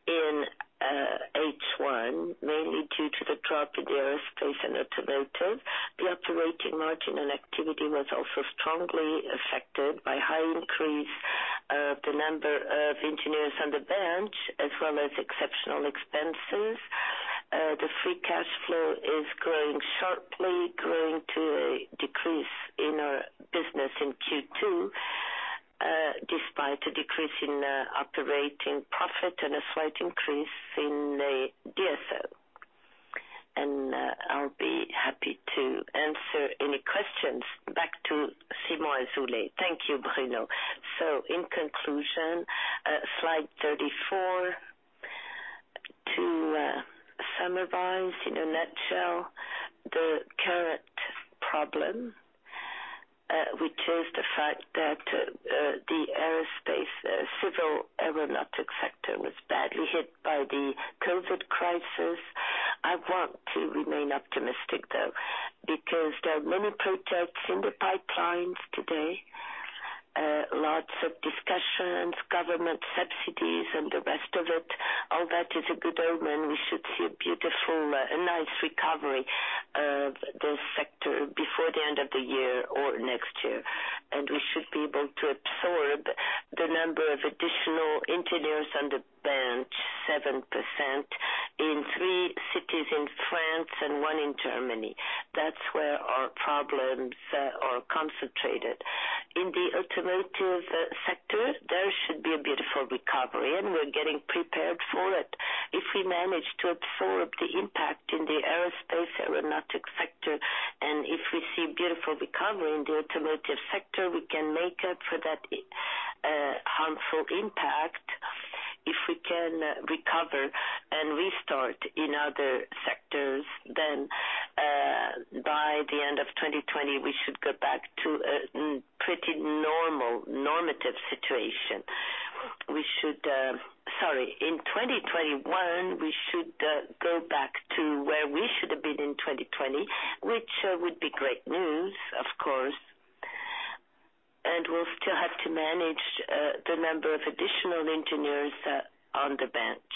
in H1, mainly due to the drop in aerospace and automotive. The operating margin and activity was also strongly affected by high increase of the number of engineers on the bench as well as exceptional expenses. The free cash flow is growing sharply, growing to a decrease in our business in Q2, despite a decrease in operating profit and a slight increase in the DSO. I'll be happy to answer any questions. Back to Simon Azoulay. Thank you, Bruno. In conclusion, slide 34. To summarize in a nutshell, the current problem, which is the fact that the aerospace civil aeronautic sector was badly hit by the COVID crisis. I want to remain optimistic, though, because there are many projects in the pipelines today, lots of discussions, government subsidies, and the rest of it. All that is a good omen. We should see a beautiful and nice recovery of the sector before the end of the year or next year. We should be able to absorb the number of additional engineers on the bench, seven percent, in three cities in France and one in Germany. That's where our problems are concentrated. In the automotive sector, there should be a beautiful recovery, and we're getting prepared for it. If we manage to absorb the impact in the aerospace aeronautic sector, and if we see beautiful recovery in the automotive sector, we can make up for that harmful impact. If we can recover and restart in other sectors, then, by the end of 2020, we should go back to a pretty normal normative situation. Sorry. In 2021, we should go back to where we should have been in 2020, which would be great news of course. We'll still have to manage the number of additional engineers on the bench.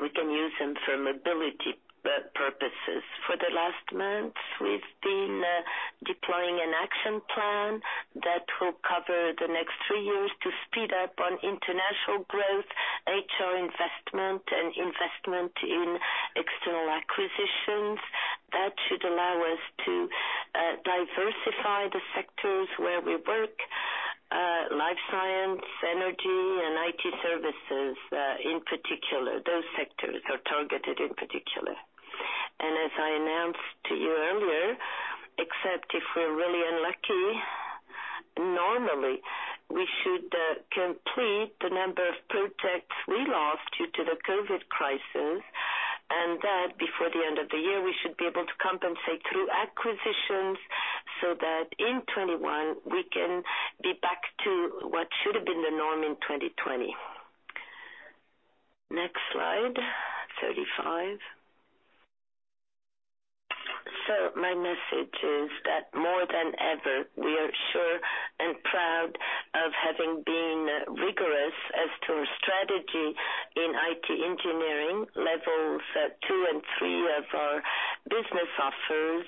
We can use them for mobility purposes. For the last month, we've been deploying an action plan that will cover the next three years to speed up on international growth, HR investment, and investment in external acquisitions. That should allow us to diversify the sectors where we work, life science, energy, and IT services. Those sectors are targeted in particular. As I announced to you earlier, except if we're really unlucky, normally, we should complete the number of projects we lost due to the COVID crisis. Before the end of the year, we should be able to compensate through acquisitions so that in 2021, we can be back to what should have been the norm in 2020. Next slide, 35. My message is that more than ever, we are sure and proud of having been rigorous as to our strategy in IT engineering, levels two and three of our business offers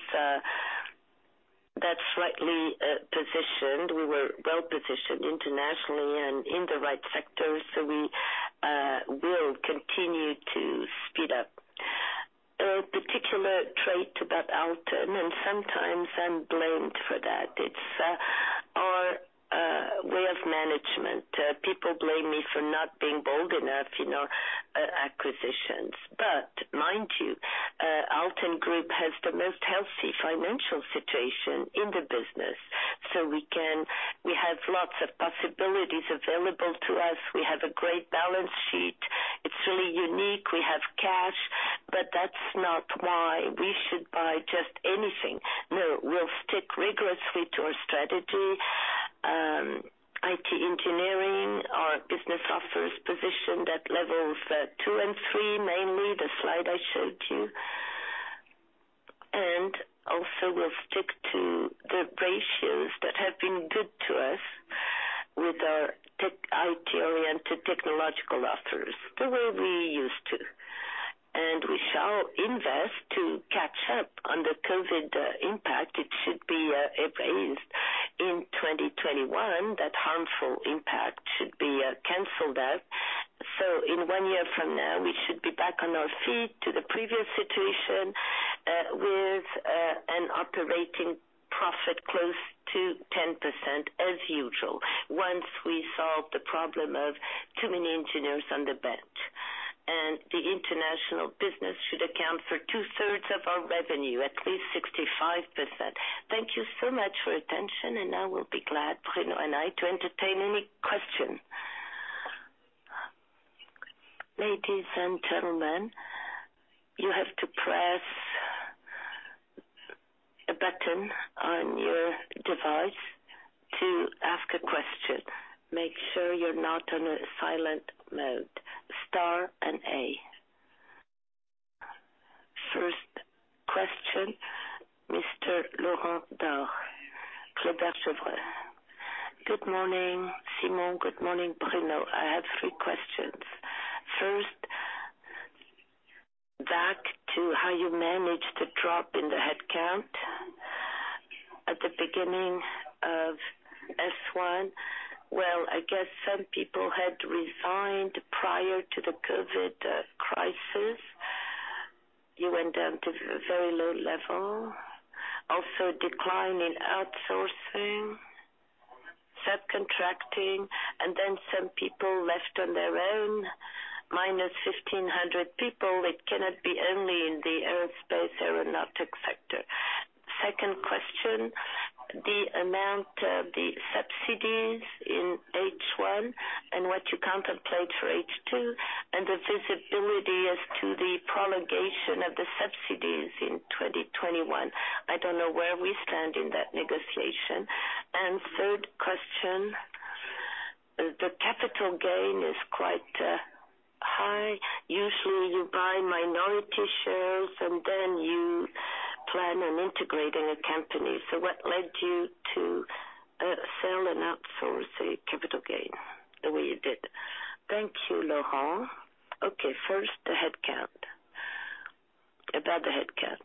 that slightly positioned. We were well-positioned internationally and in the right sectors. We will continue to speed up. A particular trait about Alten, and sometimes I'm blamed for that, it's our way of management. People blame me for not being bold enough in our acquisitions. Mind you, Alten Group has the most healthy financial situation in the business. We have lots of possibilities available to us. We have a great balance sheet. It's really unique. We have cash, but that's not why we should buy just anything. No, we'll stick rigorously to our strategy, IT engineering, our business offers positioned at levels two and three, mainly the slide I showed you. Also, we'll stick to the ratios that have been good to us with our tech IT-oriented technological offers, the way we used to. We shall invest to catch up on the COVID impact. It should be erased in 2021. That harmful impact should be canceled out. In one year from now, we should be back on our feet to the previous situation, with an operating profit close to 10%, as usual, once we solve the problem of too many engineers on the bench. The international business should account for two-thirds of our revenue, at least 65%. Thank you so much for your attention, and I will be glad, Bruno and I, to entertain any question. Ladies and gentlemen, you have to press a button on your device to ask a question. Make sure you're not on silent mode. Star and A. First question, Mr. Laurent Daure, Kepler Cheuvreux. Good morning, Simon. Good morning, Bruno. I have three questions. First, back to how you managed the drop in the headcount at the beginning of S1. Well, I guess some people had resigned prior to the COVID crisis. You went down to a very low level, also decline in outsourcing, subcontracting, and then some people left on their own, minus 1,500 people. It cannot be only in the aerospace/aeronautic sector. Second question, the amount of the subsidies in H1 and what you contemplate for H2 and the visibility as to the prolongation of the subsidies in 2021. I don't know where we stand in that negotiation. Third question, the capital gain is quite high. Usually, you buy minority shares, and then you plan on integrating a company. What led you to sell and outsource a capital gain the way you did? Thank you, Laurent. Okay, first, about the headcount.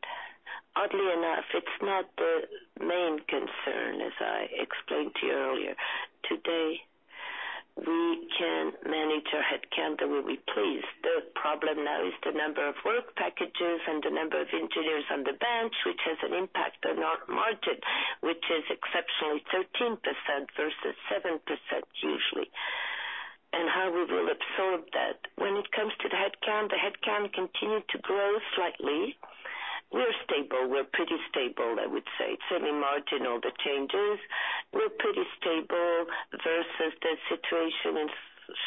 Oddly enough, it's not the main concern, as I explained to you earlier. Today, we can manage our headcount the way we please. The problem now is the number of work packages and the number of engineers on the bench, which has an impact on our margin, which is exceptionally 13% versus seven percent usually, and how we will absorb that. When it comes to the headcount, the headcount continued to grow slightly. We're stable. We're pretty stable, I would say. It's only marginal, the changes. We're pretty stable versus the situation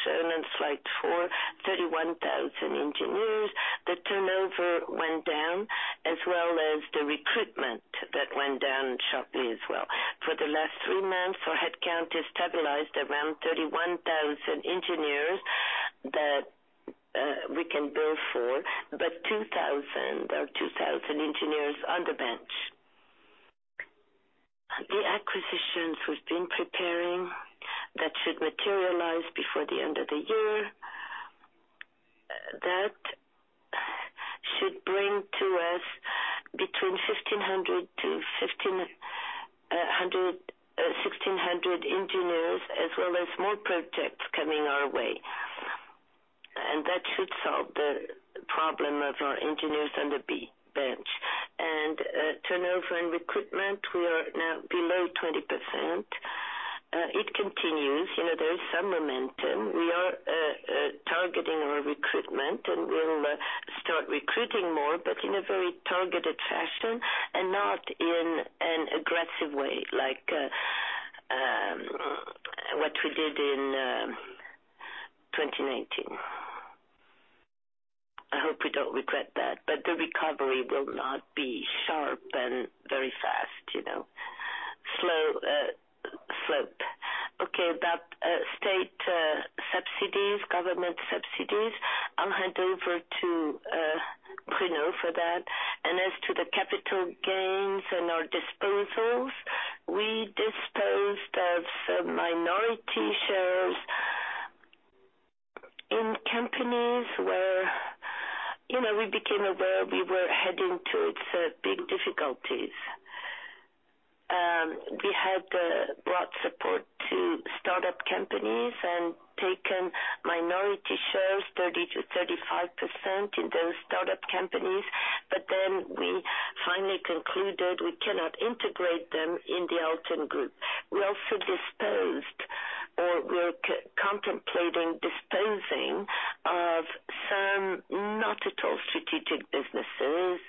shown in slide four, 31,000 engineers. The turnover went down, as well as the recruitment. That went down sharply as well. For the last three months, our headcount is stabilized around 31,000 engineers that we can bill for, but there are 2,000 engineers on the bench. The acquisitions we've been preparing, that should materialize before the end of the year. That should bring to us between 1,500-1,600 engineers, as well as more projects coming our way. That should solve the problem of our engineers on the bench. Turnover and recruitment, we are now below 20%. It continues. There is some momentum. We are targeting our recruitment, and we'll start recruiting more, but in a very targeted fashion and not in an aggressive way, like what we did in 2019. We don't regret that, the recovery will not be sharp and very fast. Slow slope. Okay, about state subsidies, government subsidies, I'll hand over to Bruno for that. As to the capital gains and our disposals, we disposed of some minority shares in companies where we became aware we were heading towards big difficulties. We had brought support to startup companies and taken minority shares, 30%-35% in those startup companies. We finally concluded we cannot integrate them in the Alten Group. We also disposed, or we're contemplating disposing of some not at all strategic businesses,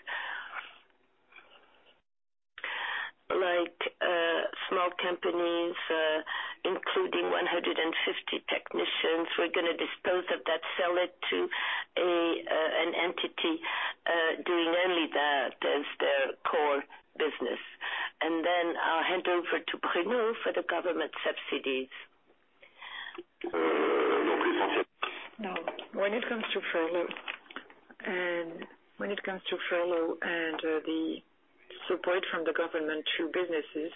like small companies, including 150 technicians. We're going to dispose of that, sell it to an entity doing only that as their core business. Then I'll hand over to Bruno for the government subsidies. When it comes to furlough and the support from the government to businesses,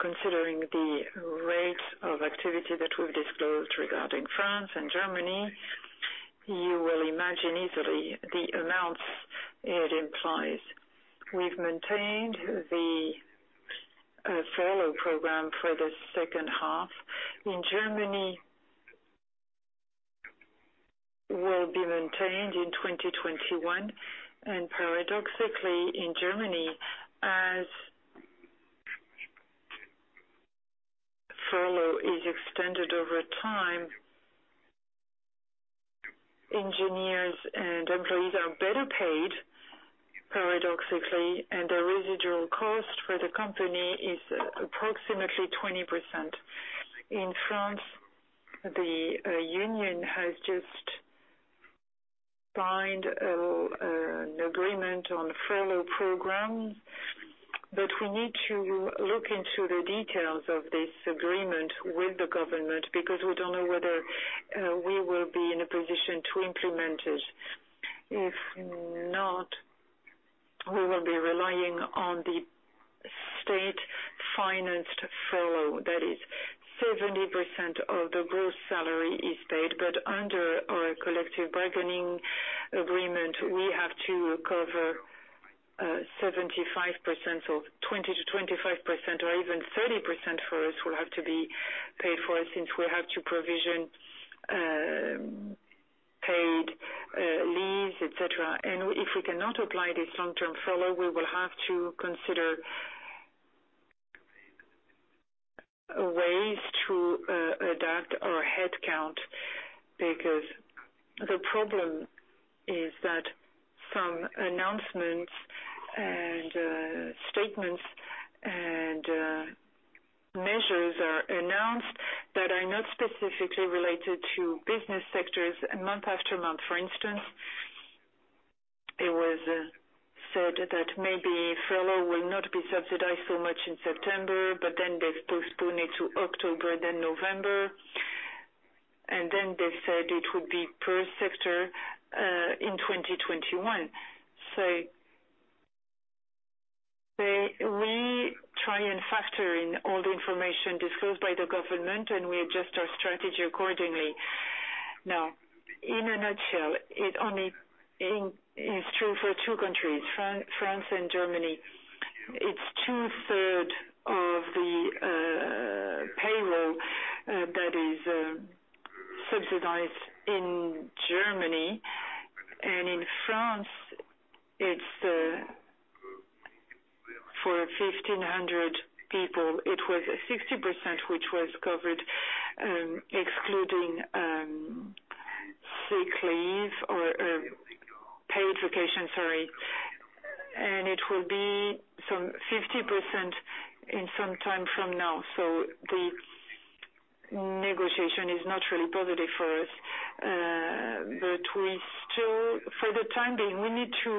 considering the rate of activity that we've disclosed regarding France and Germany, you will imagine easily the amounts it implies. We've maintained the furlough program for the second half. In Germany, will be maintained in 2021, and paradoxically, in Germany, as furlough is extended over time, engineers and employees are better paid, paradoxically, and the residual cost for the company is approximately 20%. In France, the union has just signed an agreement on furlough program, but we need to look into the details of this agreement with the government because we don't know whether we will be in a position to implement it. If not, we will be relying on the state-financed furlough, that is 70% of the gross salary is paid. Under our collective bargaining agreement, we have to cover 75%. 20%-25% or even 30% for us will have to be paid for since we have to provision paid leaves, et cetera. If we cannot apply this long-term furlough, we will have to consider ways to adapt our headcount because the problem is that some announcements and statements and measures are announced that are not specifically related to business sectors month after month. For instance, it was said that maybe furlough will not be subsidized so much in September. They postpone it to October, then November. They said it would be per sector in 2021. We try and factor in all the information disclosed by the government, and we adjust our strategy accordingly. In a nutshell, it only is true for two countries, France and Germany. It's two-third of the payroll that is subsidized in Germany. In France, for 1,500 people, it was 60%, which was covered, excluding sick leave or paid vacation, sorry. It will be some 50% in some time from now. The negotiation is not really positive for us. For the time being, we need to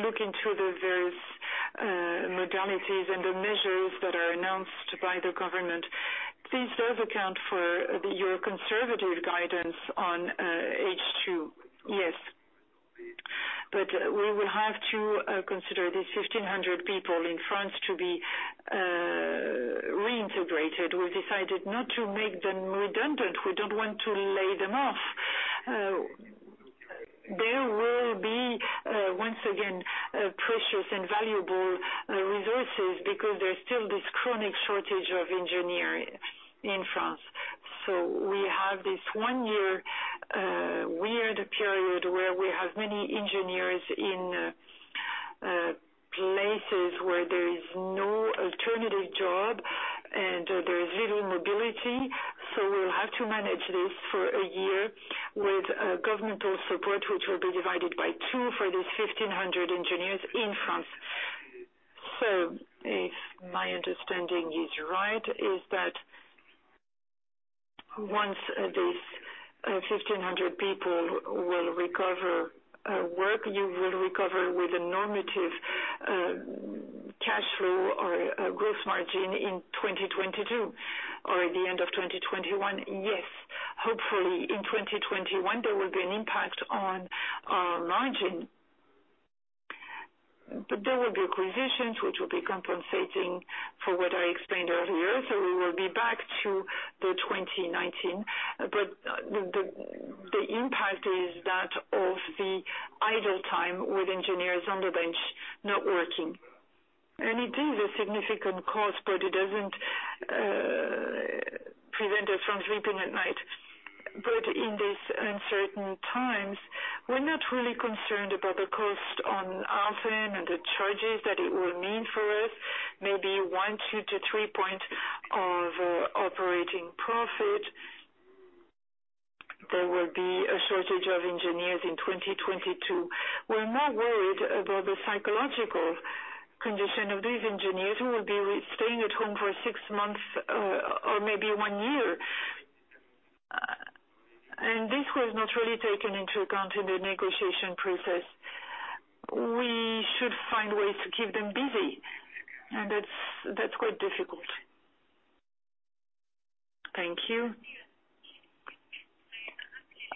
look into the various modalities and the measures that are announced by the government. These does account for your conservative guidance on H2. Yes. We will have to consider these 1,500 people in France to be reintegrated. We've decided not to make them redundant. We don't want to lay them off. There will be, once again, precious and valuable resources because there's still this chronic shortage of engineers in France. We have this one-year, weird period where we have many engineers in places where there is no alternative job and there is little mobility. We will have to manage this for a year with governmental support, which will be divided by two for these 1,500 engineers in France. If my understanding is right, is that once these 1,500 people will recover work, you will recover with a normative cash flow or a gross margin in 2022 or at the end of 2021? Yes. Hopefully, in 2021, there will be an impact on our margin. There will be acquisitions which will be compensating for what I explained earlier. We will be back to the 2019. The impact is that of the idle time with engineers on the bench not working. It is a significant cost, but it doesn't prevent us from sleeping at night. In these uncertain times, we're not really concerned about the cost on Alten and the charges that it will mean for us, maybe one, two to three points of operating profit. There will be a shortage of engineers in 2022. We're more worried about the psychological condition of these engineers who will be staying at home for six months or maybe one year. This was not really taken into account in the negotiation process. We should find ways to keep them busy, and that's quite difficult. Thank you.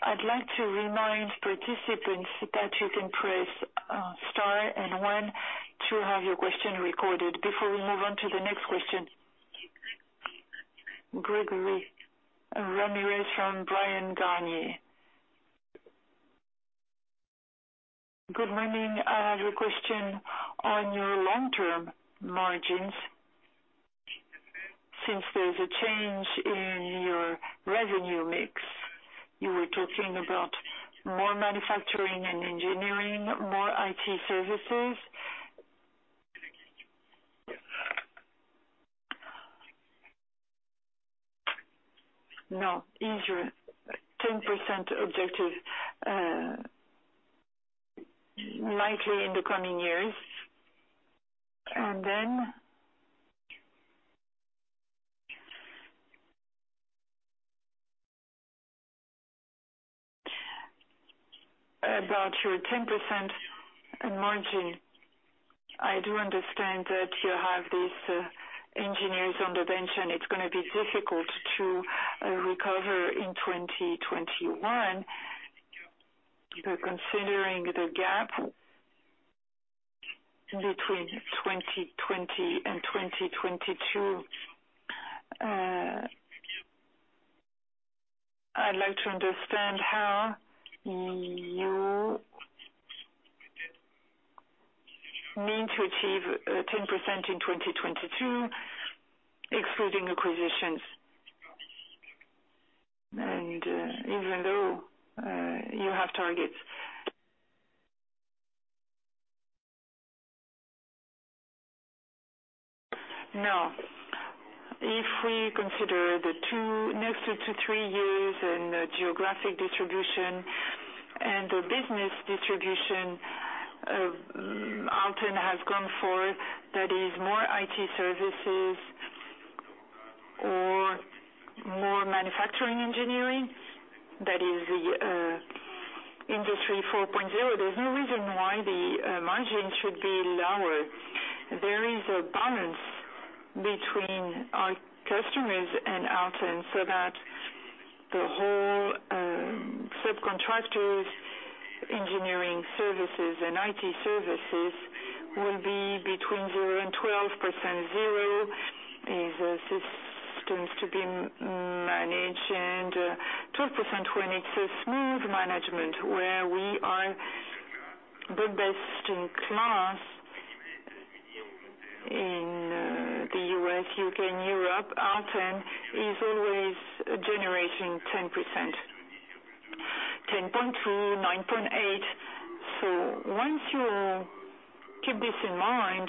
I'd like to remind participants that you can press Star and One to have your question recorded before we move on to the next question. Gregory Ramirez from Bryan, Garnier. Good morning. I have a question on your long-term margins. Since there's a change in your revenue mix, you were talking about more manufacturing and engineering, more IT services. No. Is your 10% objective likely in the coming years? About your 10% margin, I do understand that you have these engineers on the bench, and it's going to be difficult to recover in 2021. Considering the gap between 2020 and 2022, I'd like to understand how you mean to achieve 10% in 2022, excluding acquisitions. Even though you have targets. No. If we consider the next two - three years in the geographic distribution and the business distribution Alten has gone for, that is more IT services or more manufacturing engineering, that is the Industry 4.0, there's no reason why the margin should be lower. There is a balance between our customers and Alten so that the whole subcontractors, engineering services, and IT services will be between 0 and 12%. Zero is systems to be managed and 12% when it's a smooth management where we are the best in class in the U.S., U.K., and Europe. Alten is always generating 10%, 10.2, 9.8. Once you keep this in mind,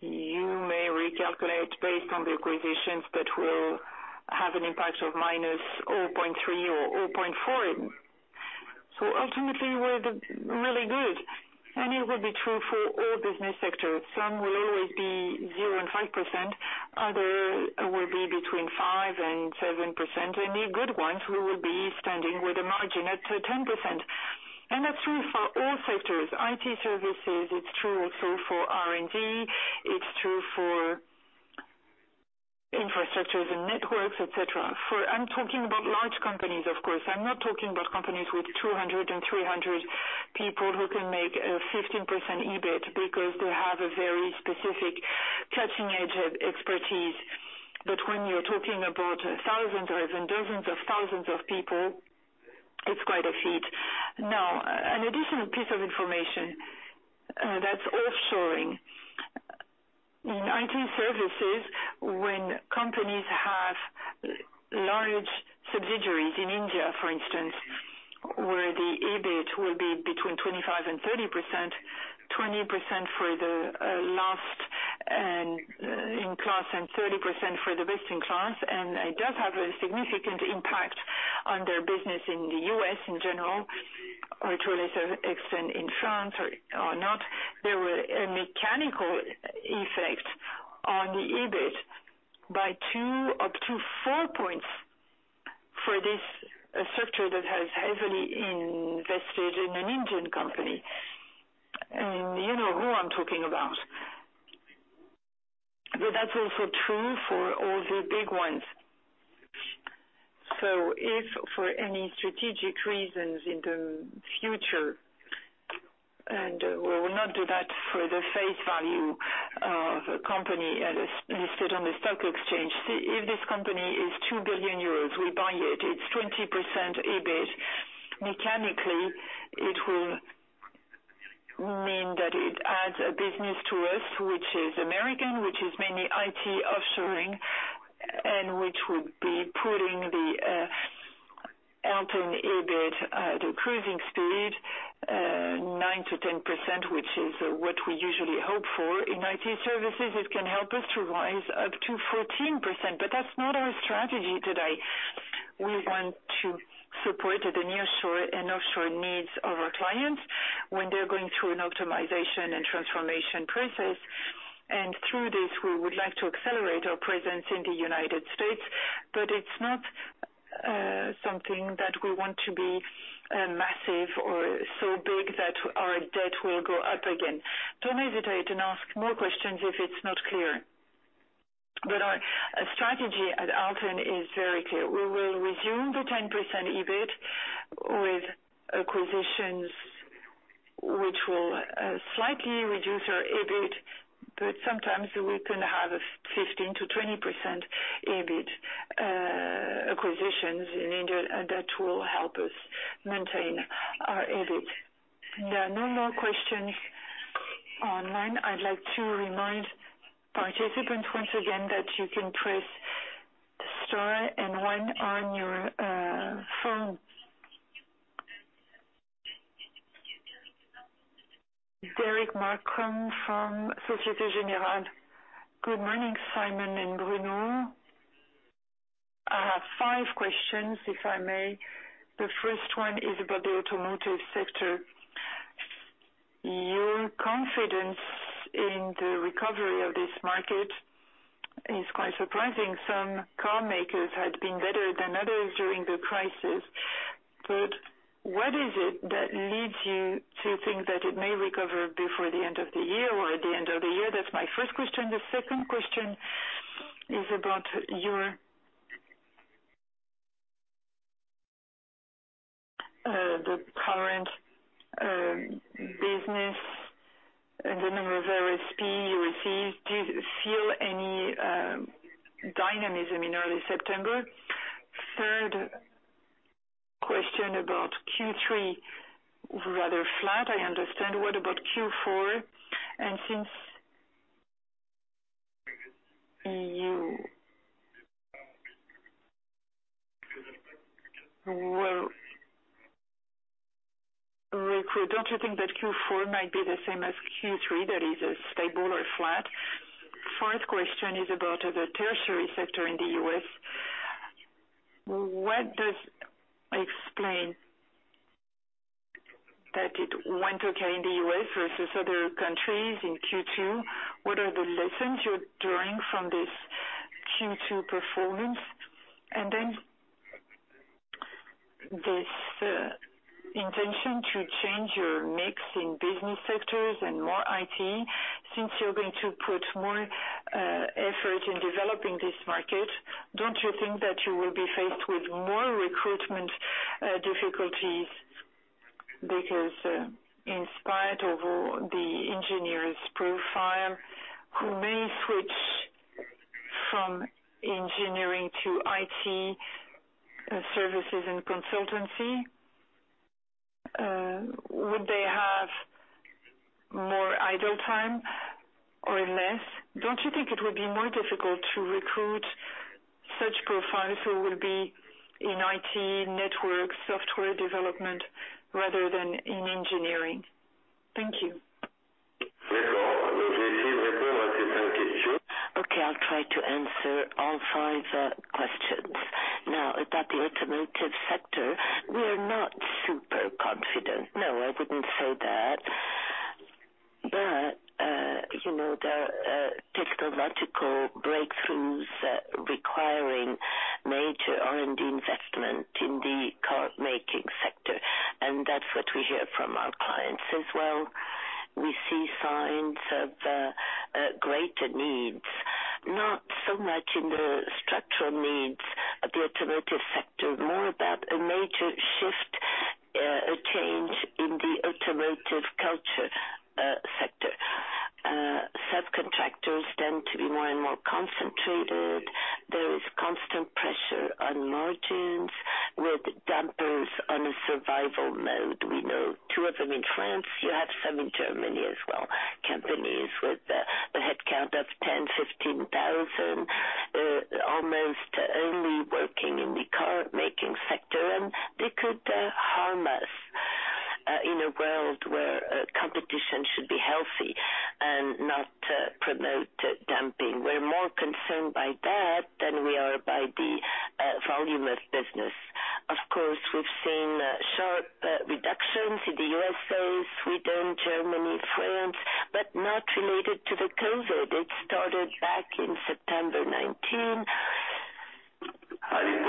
you may recalculate based on the acquisitions that will have an impact of minus 0.3 or 0.4 even. Ultimately, we're really good, and it will be true for all business sectors. Some will always be zero and five percent, other will be between five and seven percent, and the good ones will be standing with a margin at 10%. That's true for all sectors, IT services, it's true also for R&D, it's true for infrastructures and networks, et cetera. I'm talking about large companies, of course. I'm not talking about companies with 200 and 300 people who can make a 15% EBIT because they have a very specific cutting-edge expertise. When you're talking about thousands and dozens of thousands of people, it's quite a feat. An additional piece of information that's offshoring. In IT services, when companies have large subsidiaries in India, for instance, where the EBIT will be between 25% and 30%, 20% for the least-in-class and 30% for the best-in-class, it does have a significant impact on their business in the U.S. in general, or to a lesser extent in France or not. There were a mechanical effect on the EBIT by two up to four points for this structure that has heavily invested in an Indian company. You know who I'm talking about. That's also true for all the big ones. If for any strategic reasons in the future, and we will not do that for the face value of a company that is listed on the stock exchange. If this company is 2 billion euros, we buy it's 20% EBIT. Mechanically, it will mean that it adds a business to us, which is American, which is mainly IT offshoring, and which would be putting the Alten EBIT at a cruising speed, 9% - 10%, which is what we usually hope for in IT services. It can help us to rise up to 14%. That's not our strategy today. We want to support the nearshore and offshore needs of our clients when they're going through an optimization and transformation process. Through this, we would like to accelerate our presence in the United States, but it's not something that we want to be massive or so big that our debt will go up again. Don't hesitate and ask more questions if it's not clear. Our strategy at Alten is very clear. We will resume the 10% EBIT with acquisitions which will slightly reduce our EBIT. Sometimes we can have a 15%-20% EBIT, acquisitions in India that will help us maintain our EBIT. There are no more questions online. I'd like to remind participants once again that you can press star and one on your phone. Derric Marcon from Societe Generale. Good morning, Simon and Bruno. I have five questions, if I may. The first one is about the automotive sector. Your confidence in the recovery of this market is quite surprising. Some car makers had been better than others during the crisis. What is it that leads you to think that it may recover before the end of the year or at the end of the year? That's my first question. The second question is about the current business and the number of RFP you received. Do you feel any dynamism in early September? Third question about Q3, rather flat, I understand. What about Q4? Since you will recruit, don't you think that Q4 might be the same as Q3, that is stable or flat? Fourth question is about the tertiary sector in the U.S. What does explain that it went okay in the U.S. versus other countries in Q2? What are the lessons you're drawing from this Q2 performance? This intention to change your mix in business sectors and more IT, since you're going to put more effort in developing this market, don't you think that you will be faced with more recruitment difficulties because in spite of the engineer's profile, who may switch from engineering to IT services and consultancy, would they have more idle time or less? Don't you think it will be more difficult to recruit such profiles who will be in IT network software development rather than in engineering? Thank you. Okay, I'll try to answer all five questions. About the automotive sector, we are not super confident. I wouldn't say that. There are technological breakthroughs requiring major R&D investment in the car making sector, and that's what we hear from our clients as well. We see signs of greater needs, not so much in the structural needs of the automotive sector, more about a major shift, a change in the automotive culture sector. Subcontractors tend to be more and more concentrated. There is constant pressure on margins with dumpers on a survival mode. We know two of them in France. You have some in Germany as well, companies with a headcount of 10,000, 15,000. Our making sector and they could harm us in a world where competition should be healthy and not promote dumping. We're more concerned by that than we are by the volume of business. We've seen sharp reductions in the U.S.A., Sweden, Germany, France, but not related to the COVID. It started back in September 2019. The recovery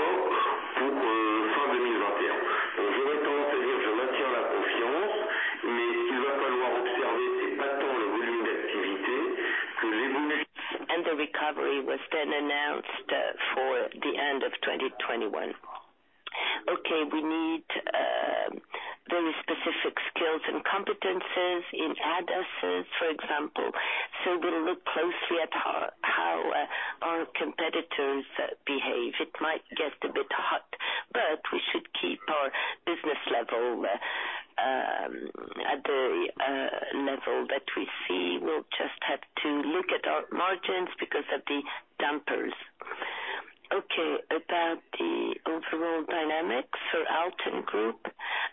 was announced for the end of 2021. We need very specific skills and competencies in ADAS, for example. We look closely at how our competitors behave. It might get a bit hot, we should keep our business level at the level that we see. We'll just have to look at our margins because of the dumpers. About the overall dynamics for Alten Group,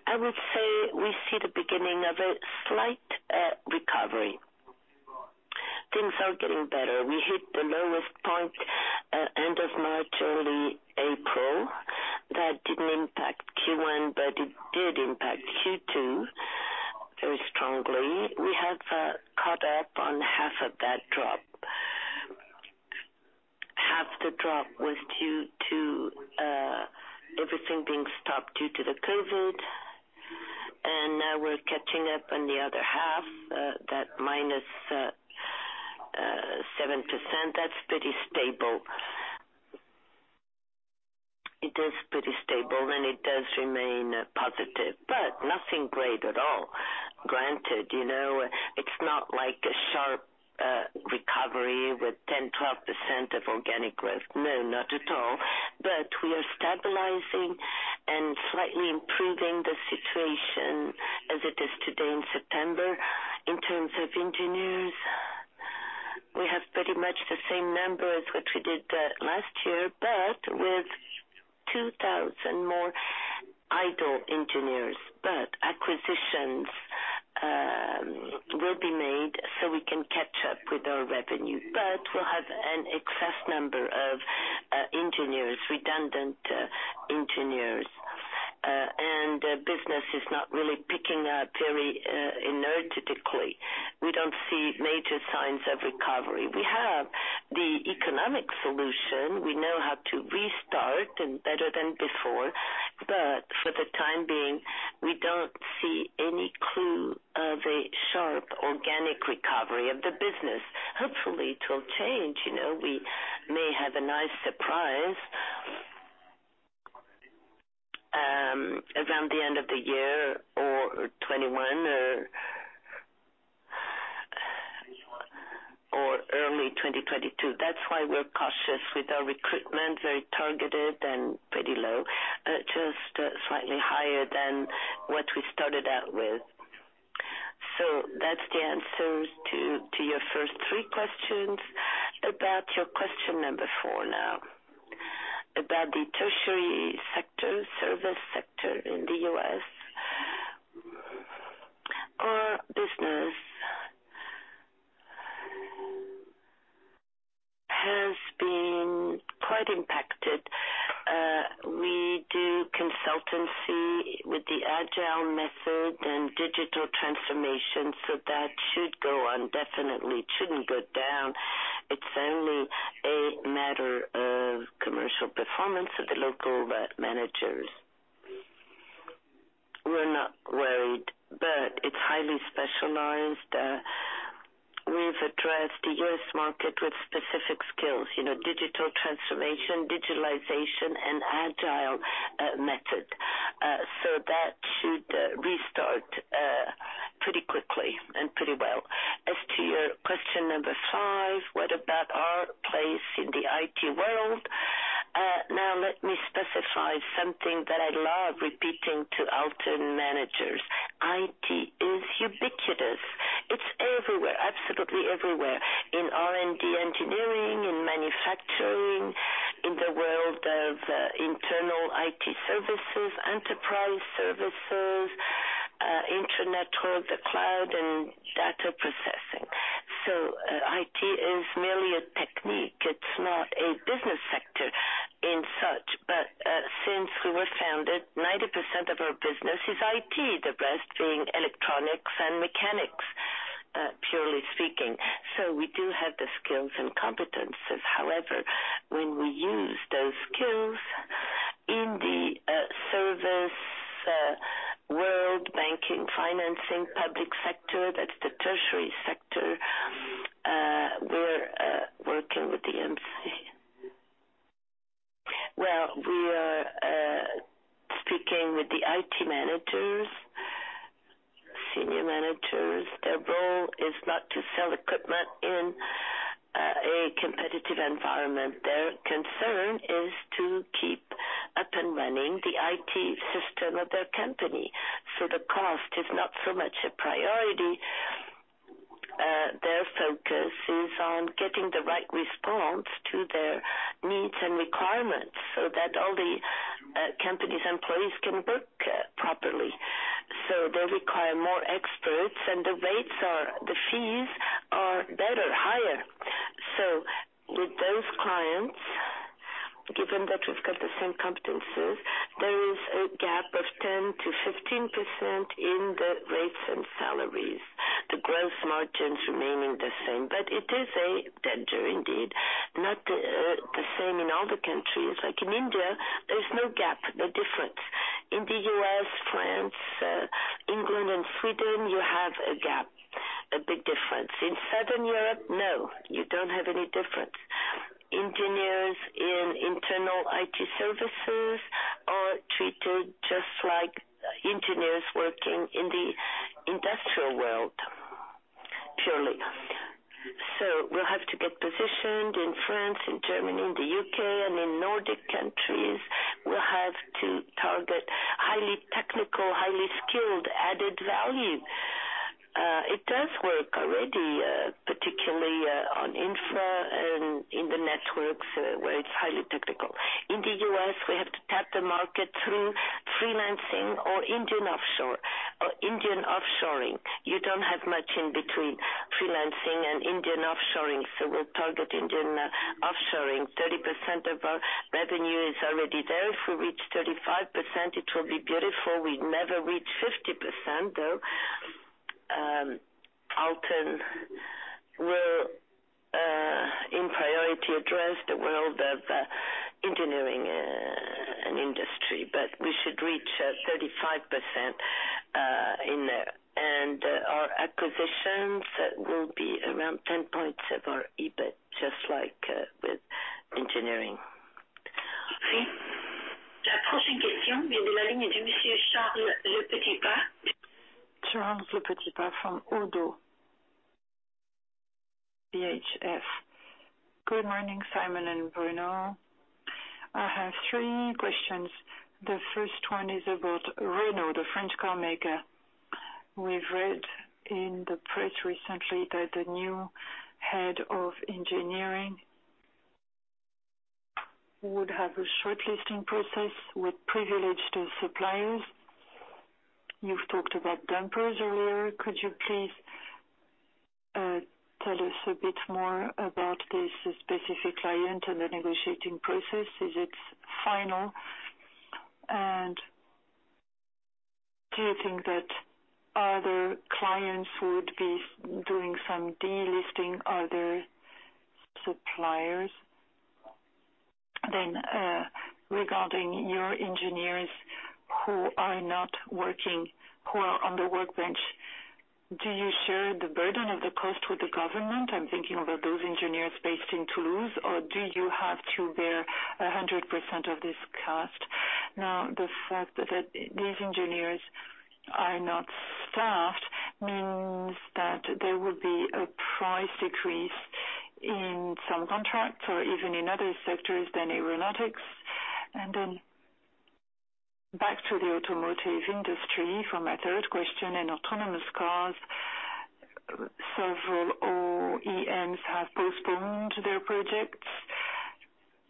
I would say we see the beginning of a slight recovery. Things are getting better. We hit the lowest point end of March, early April. That didn't impact Q1, but it did impact Q2 very strongly. We have caught up on half of that drop. Half the drop was due to everything being stopped due to the COVID, and now we're catching up on the other half, that -seven percent. That's pretty stable. It is pretty stable, and it does remain positive, but nothing great at all. Granted, it's not like a sharp recovery with 10%, 12% of organic growth. No, not at all. We are stabilizing and slightly improving the situation as it is today in September. In terms of engineers, we have pretty much the same number as what we did last year, but with 2,000 more idle engineers. Acquisitions will be made so we can catch up with our revenue. We'll have an excess number of engineers, redundant engineers. Business is not really picking up very inertedly. We don't see major signs of recovery. We have the economic solution. We know how to restart and better than before, but for the time being, we don't see any clue of a sharp organic recovery of the business. Hopefully, it will change. We may have a nice surprise around the end of the year or 2021 or early 2022. That's why we're cautious with our recruitment, very targeted and pretty low, just slightly higher than what we started out with. That's the answer to your first three questions. About your question number four now. About the tertiary sector, service sector in the U.S. Our business has been quite impacted. We do consultancy with the agile method and digital transformation, so that should go on, definitely shouldn't go down. It's only a matter of commercial performance of the local managers. We're not worried, but it's highly specialized. We've addressed the U.S. market with specific skills, digital transformation, digitalization, and agile method. That should restart pretty quickly and pretty well. As to your question number five, what about our place in the IT world? Let me specify something that I love repeating to Alten managers. IT is ubiquitous. It's everywhere, absolutely everywhere. In R&D engineering, in manufacturing, in the world of internal IT services, enterprise services, internet world, the cloud, and data processing. IT is merely a technique. It's not a business sector in such. Since we were founded, 90% of our business is IT, the rest being electronics and mechanics, purely speaking. We do have the skills and competencies. However, when we use those skills in the service world, banking, financing, public sector, that's the tertiary sector, we're working with the MC. Well, we are speaking with the IT managers, senior managers. Their role is not to sell equipment in a competitive environment. Their concern is to keep up and running the IT system of their company. The cost is not so much a priority. Focus is on getting the right response to their needs and requirements so that all the company's employees can work properly. They require more experts and the rates or the fees are better, higher. With those clients, given that we've got the same competencies, there is a gap of 10%-15% in the rates and salaries, the gross margins remaining the same. It is a danger indeed, not the same in all the countries. Like in India, there's no gap, no difference. In the U.S., France, England and Sweden, you have a gap, a big difference. In Southern Europe, you don't have any difference. Engineers in internal IT services are treated just like engineers working in the industrial world purely. We'll have to get positioned in France, in Germany, in the U.K., and in Nordic countries. We'll have to target highly technical, highly skilled, added value. It does work already, particularly on infra and in the networks where it's highly technical. In the U.S., we have to tap the market through freelancing or Indian offshoring. You don't have much in between freelancing and Indian offshoring. We'll target Indian offshoring. 30% of our revenue is already there. If we reach 35%, it will be beautiful. We'd never reach 50%, though. Alten will in priority address the world of engineering and industry. We should reach 35% in there. Our acquisitions will be around 10 points of our EBIT, just like with engineering. Charles-Louis Scotti from Oddo BHF. Good morning, Simon and Bruno. I have three questions. The first one is about Renault, the French car maker. We've read in the press recently that the new head of engineering would have a shortlisting process with privileged suppliers. You've talked about dumpers earlier. Could you please tell us a bit more about this specific client and the negotiating process? Is it final, and do you think that other clients would be doing some delisting other suppliers? Regarding your engineers who are not working, who are on the workbench, do you share the burden of the cost with the government? I'm thinking about those engineers based in Toulouse, or do you have to bear 100% of this cost? The fact that these engineers are not staffed means that there will be a price decrease in some contracts or even in other sectors than aeronautics. Back to the automotive industry for my third question in autonomous cars. Several OEMs have postponed their projects.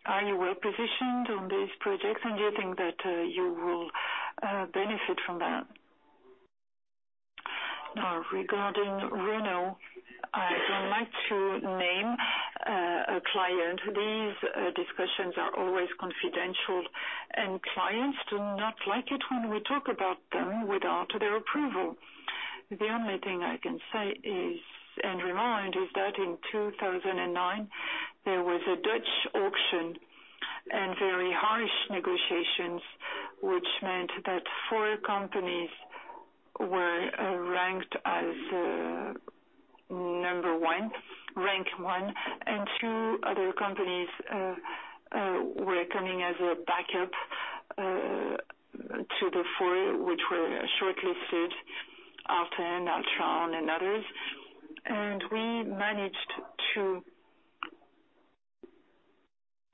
Are you well-positioned on these projects, and do you think that you will benefit from that? Now, regarding Renault, I don't like to name a client. These discussions are always confidential, and clients do not like it when we talk about them without their approval. The only thing I can say and remind is that in 2009, there was a Dutch auction and very harsh negotiations, which meant that four companies were ranked as rank one, and two other companies were coming as a backup to the four which were shortlisted, Alten, Altran, and others. We managed to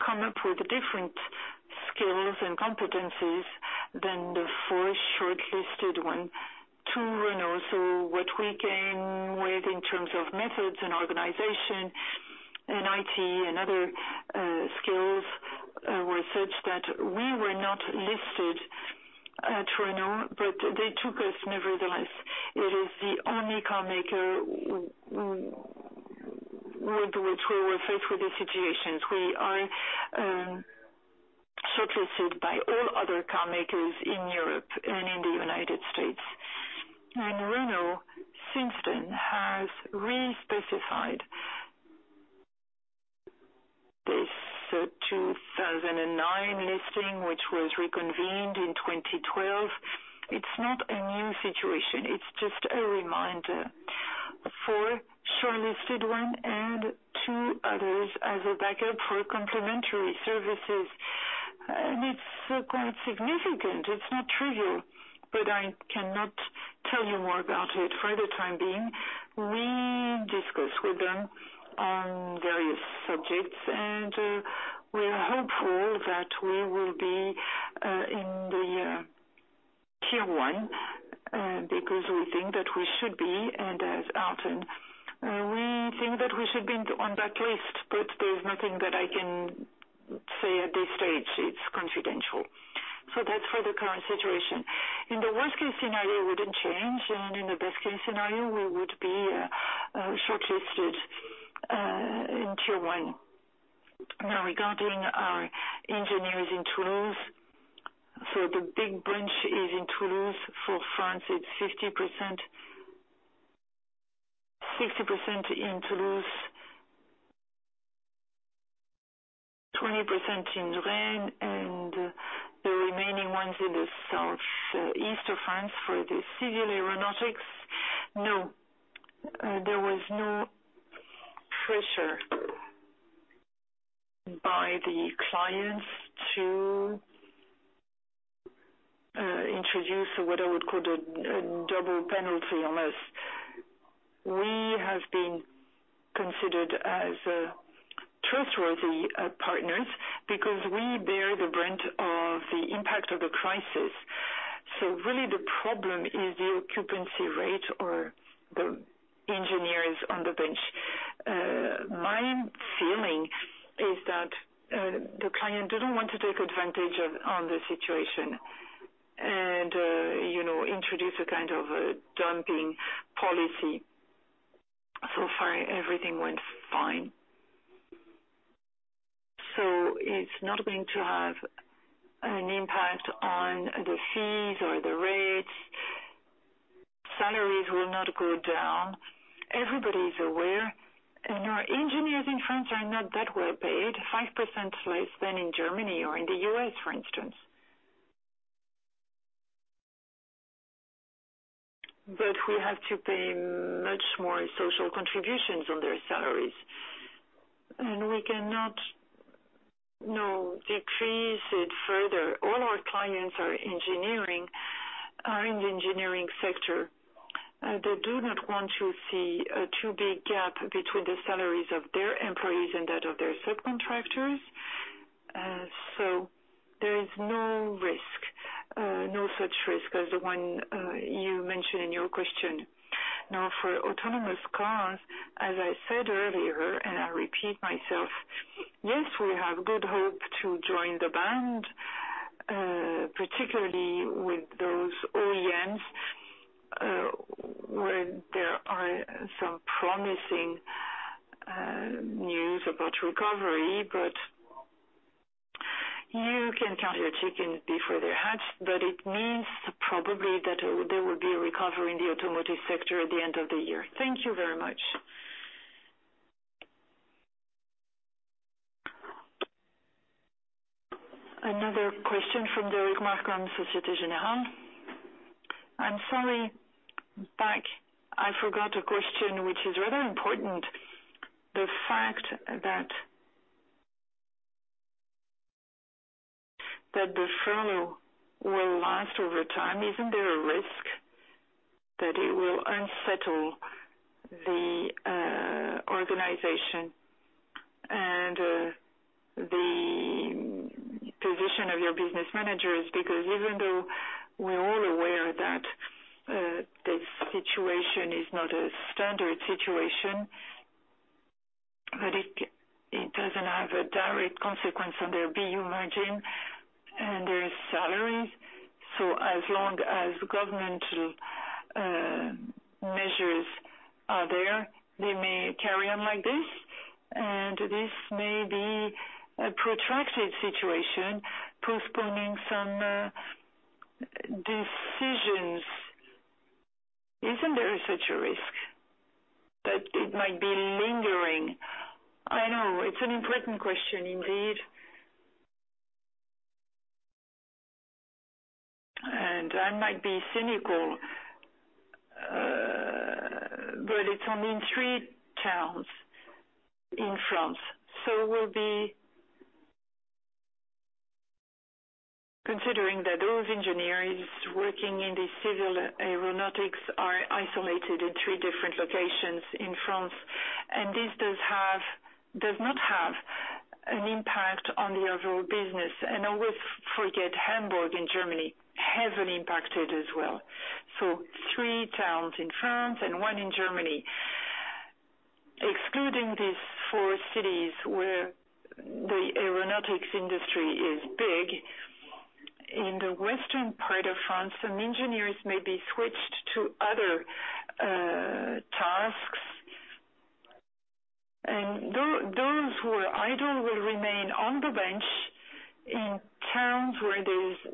come up with different skills and competencies than the four shortlisted ones. To Renault, so what we came with in terms of methods and organization and IT and other skills were such that we were not listed at Renault, but they took us nevertheless. It is the only car maker with which we were faced with these situations. We are shortlisted by all other car makers in Europe and in the U.S. Renault since then has re-specified this 2009 listing, which was reconvened in 2012. It's not a new situation, it's just a reminder. Four shortlisted ones and two others as a backup for complementary services. It's quite significant. It's not trivial, I cannot tell you more about it for the time being. We discuss with them on various subjects, we are hopeful that we will be Tier 1, because we think that we should be, and as Alten, we think that we should be on that list, there's nothing that I can say at this stage. It's confidential. That's for the current situation. In the worst-case scenario, it wouldn't change, in the best-case scenario, we would be shortlisted in Tier 1. Regarding our engineers in Toulouse, the big branch is in Toulouse. For France, it's 60% in Toulouse, 20% in Rennes, the remaining ones in the southeast of France for the civil aeronautics. There was no pressure by the clients to introduce what I would call a double penalty on us. We have been considered as trustworthy partners because we bear the brunt of the impact of the crisis. Really the problem is the occupancy rate or the engineers on the bench. My feeling is that the client didn't want to take advantage of the situation and introduce a kind of dumping policy. So far everything went fine. It's not going to have an impact on the fees or the rates. Salaries will not go down. Everybody's aware, and our engineers in France are not that well-paid, five percent less than in Germany or in the U.S., for instance. We have to pay much more in social contributions on their salaries. We cannot decrease it further. All our clients are in the engineering sector. They do not want to see a too big gap between the salaries of their employees and that of their subcontractors. There is no such risk as the one you mentioned in your question. For autonomous cars, as I said earlier, and I repeat myself, yes, we have good hope to join the band, particularly with those OEMs, where there are some promising news about recovery. You can count your chickens before they hatch, but it means probably that there will be a recovery in the automotive sector at the end of the year. Thank you very much. Another question from Derric Marcon, Societe Generale. I forgot a question which is rather important. The fact that the furlough will last over time, isn't there a risk that it will unsettle the organization and the position of your business managers? Even though we're all aware that this situation is not a standard situation, but it doesn't have a direct consequence on their BU margin and their salaries. As long as governmental measures are there, they may carry on like this, and this may be a protracted situation, postponing some decisions. Isn't there such a risk that it might be lingering? I know it's an important question, indeed. I might be cynical, but it's only in three towns in France. We'll be considering that those engineers working in the civil aeronautics are isolated in three different locations in France, and this does not have an impact on the overall business. Always forget Hamburg in Germany, heavily impacted as well. Three towns in France and one in Germany. Excluding these four cities where the aeronautics industry is big, in the western part of France, some engineers may be switched to other tasks. Those who are idle will remain on the bench in towns where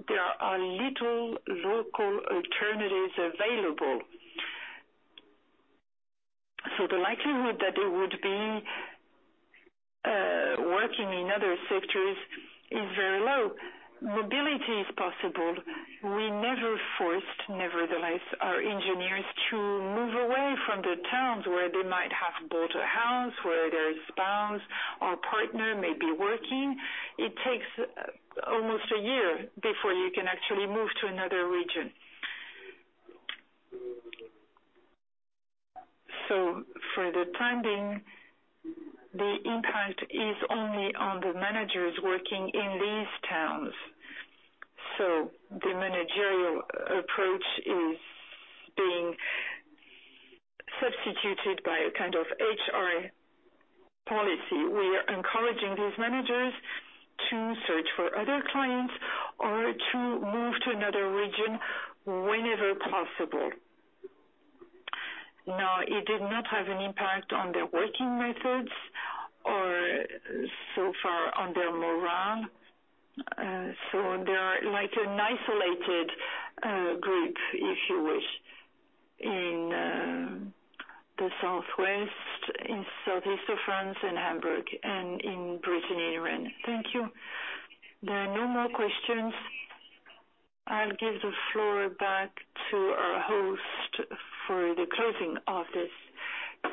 there are little local alternatives available. The likelihood that they would be working in other sectors is very low. Mobility is possible. We never forced, nevertheless, our engineers to move away from the towns where they might have bought a house, where their spouse or partner may be working. It takes almost a year before you can actually move to another region. For the time being, the impact is only on the managers working in these towns. The managerial approach is being substituted by a kind of HR policy. We are encouraging these managers to search for other clients or to move to another region whenever possible. No, it did not have an impact on their working methods or so far on their morale. They are like an isolated group, if you wish, in the southwest, in southeast of France in Hamburg and in Brittany, Rennes. Thank you. There are no more questions. I'll give the floor back to our host for the closing of this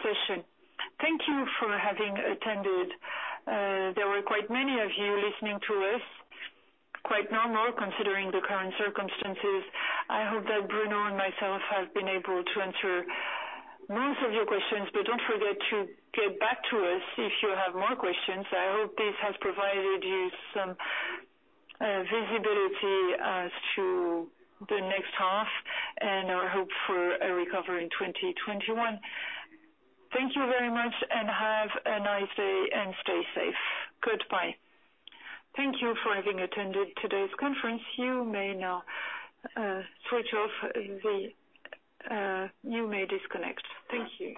session. Thank you for having attended. There were quite many of you listening to us. Quite normal, considering the current circumstances. I hope that Bruno and myself have been able to answer most of your questions, but don't forget to get back to us if you have more questions. I hope this has provided you some visibility as to the next half and our hope for a recovery in 2021. Thank you very much and have a nice day and stay safe. Goodbye. Thank you for having attended today's conference. You may now disconnect. Thank you.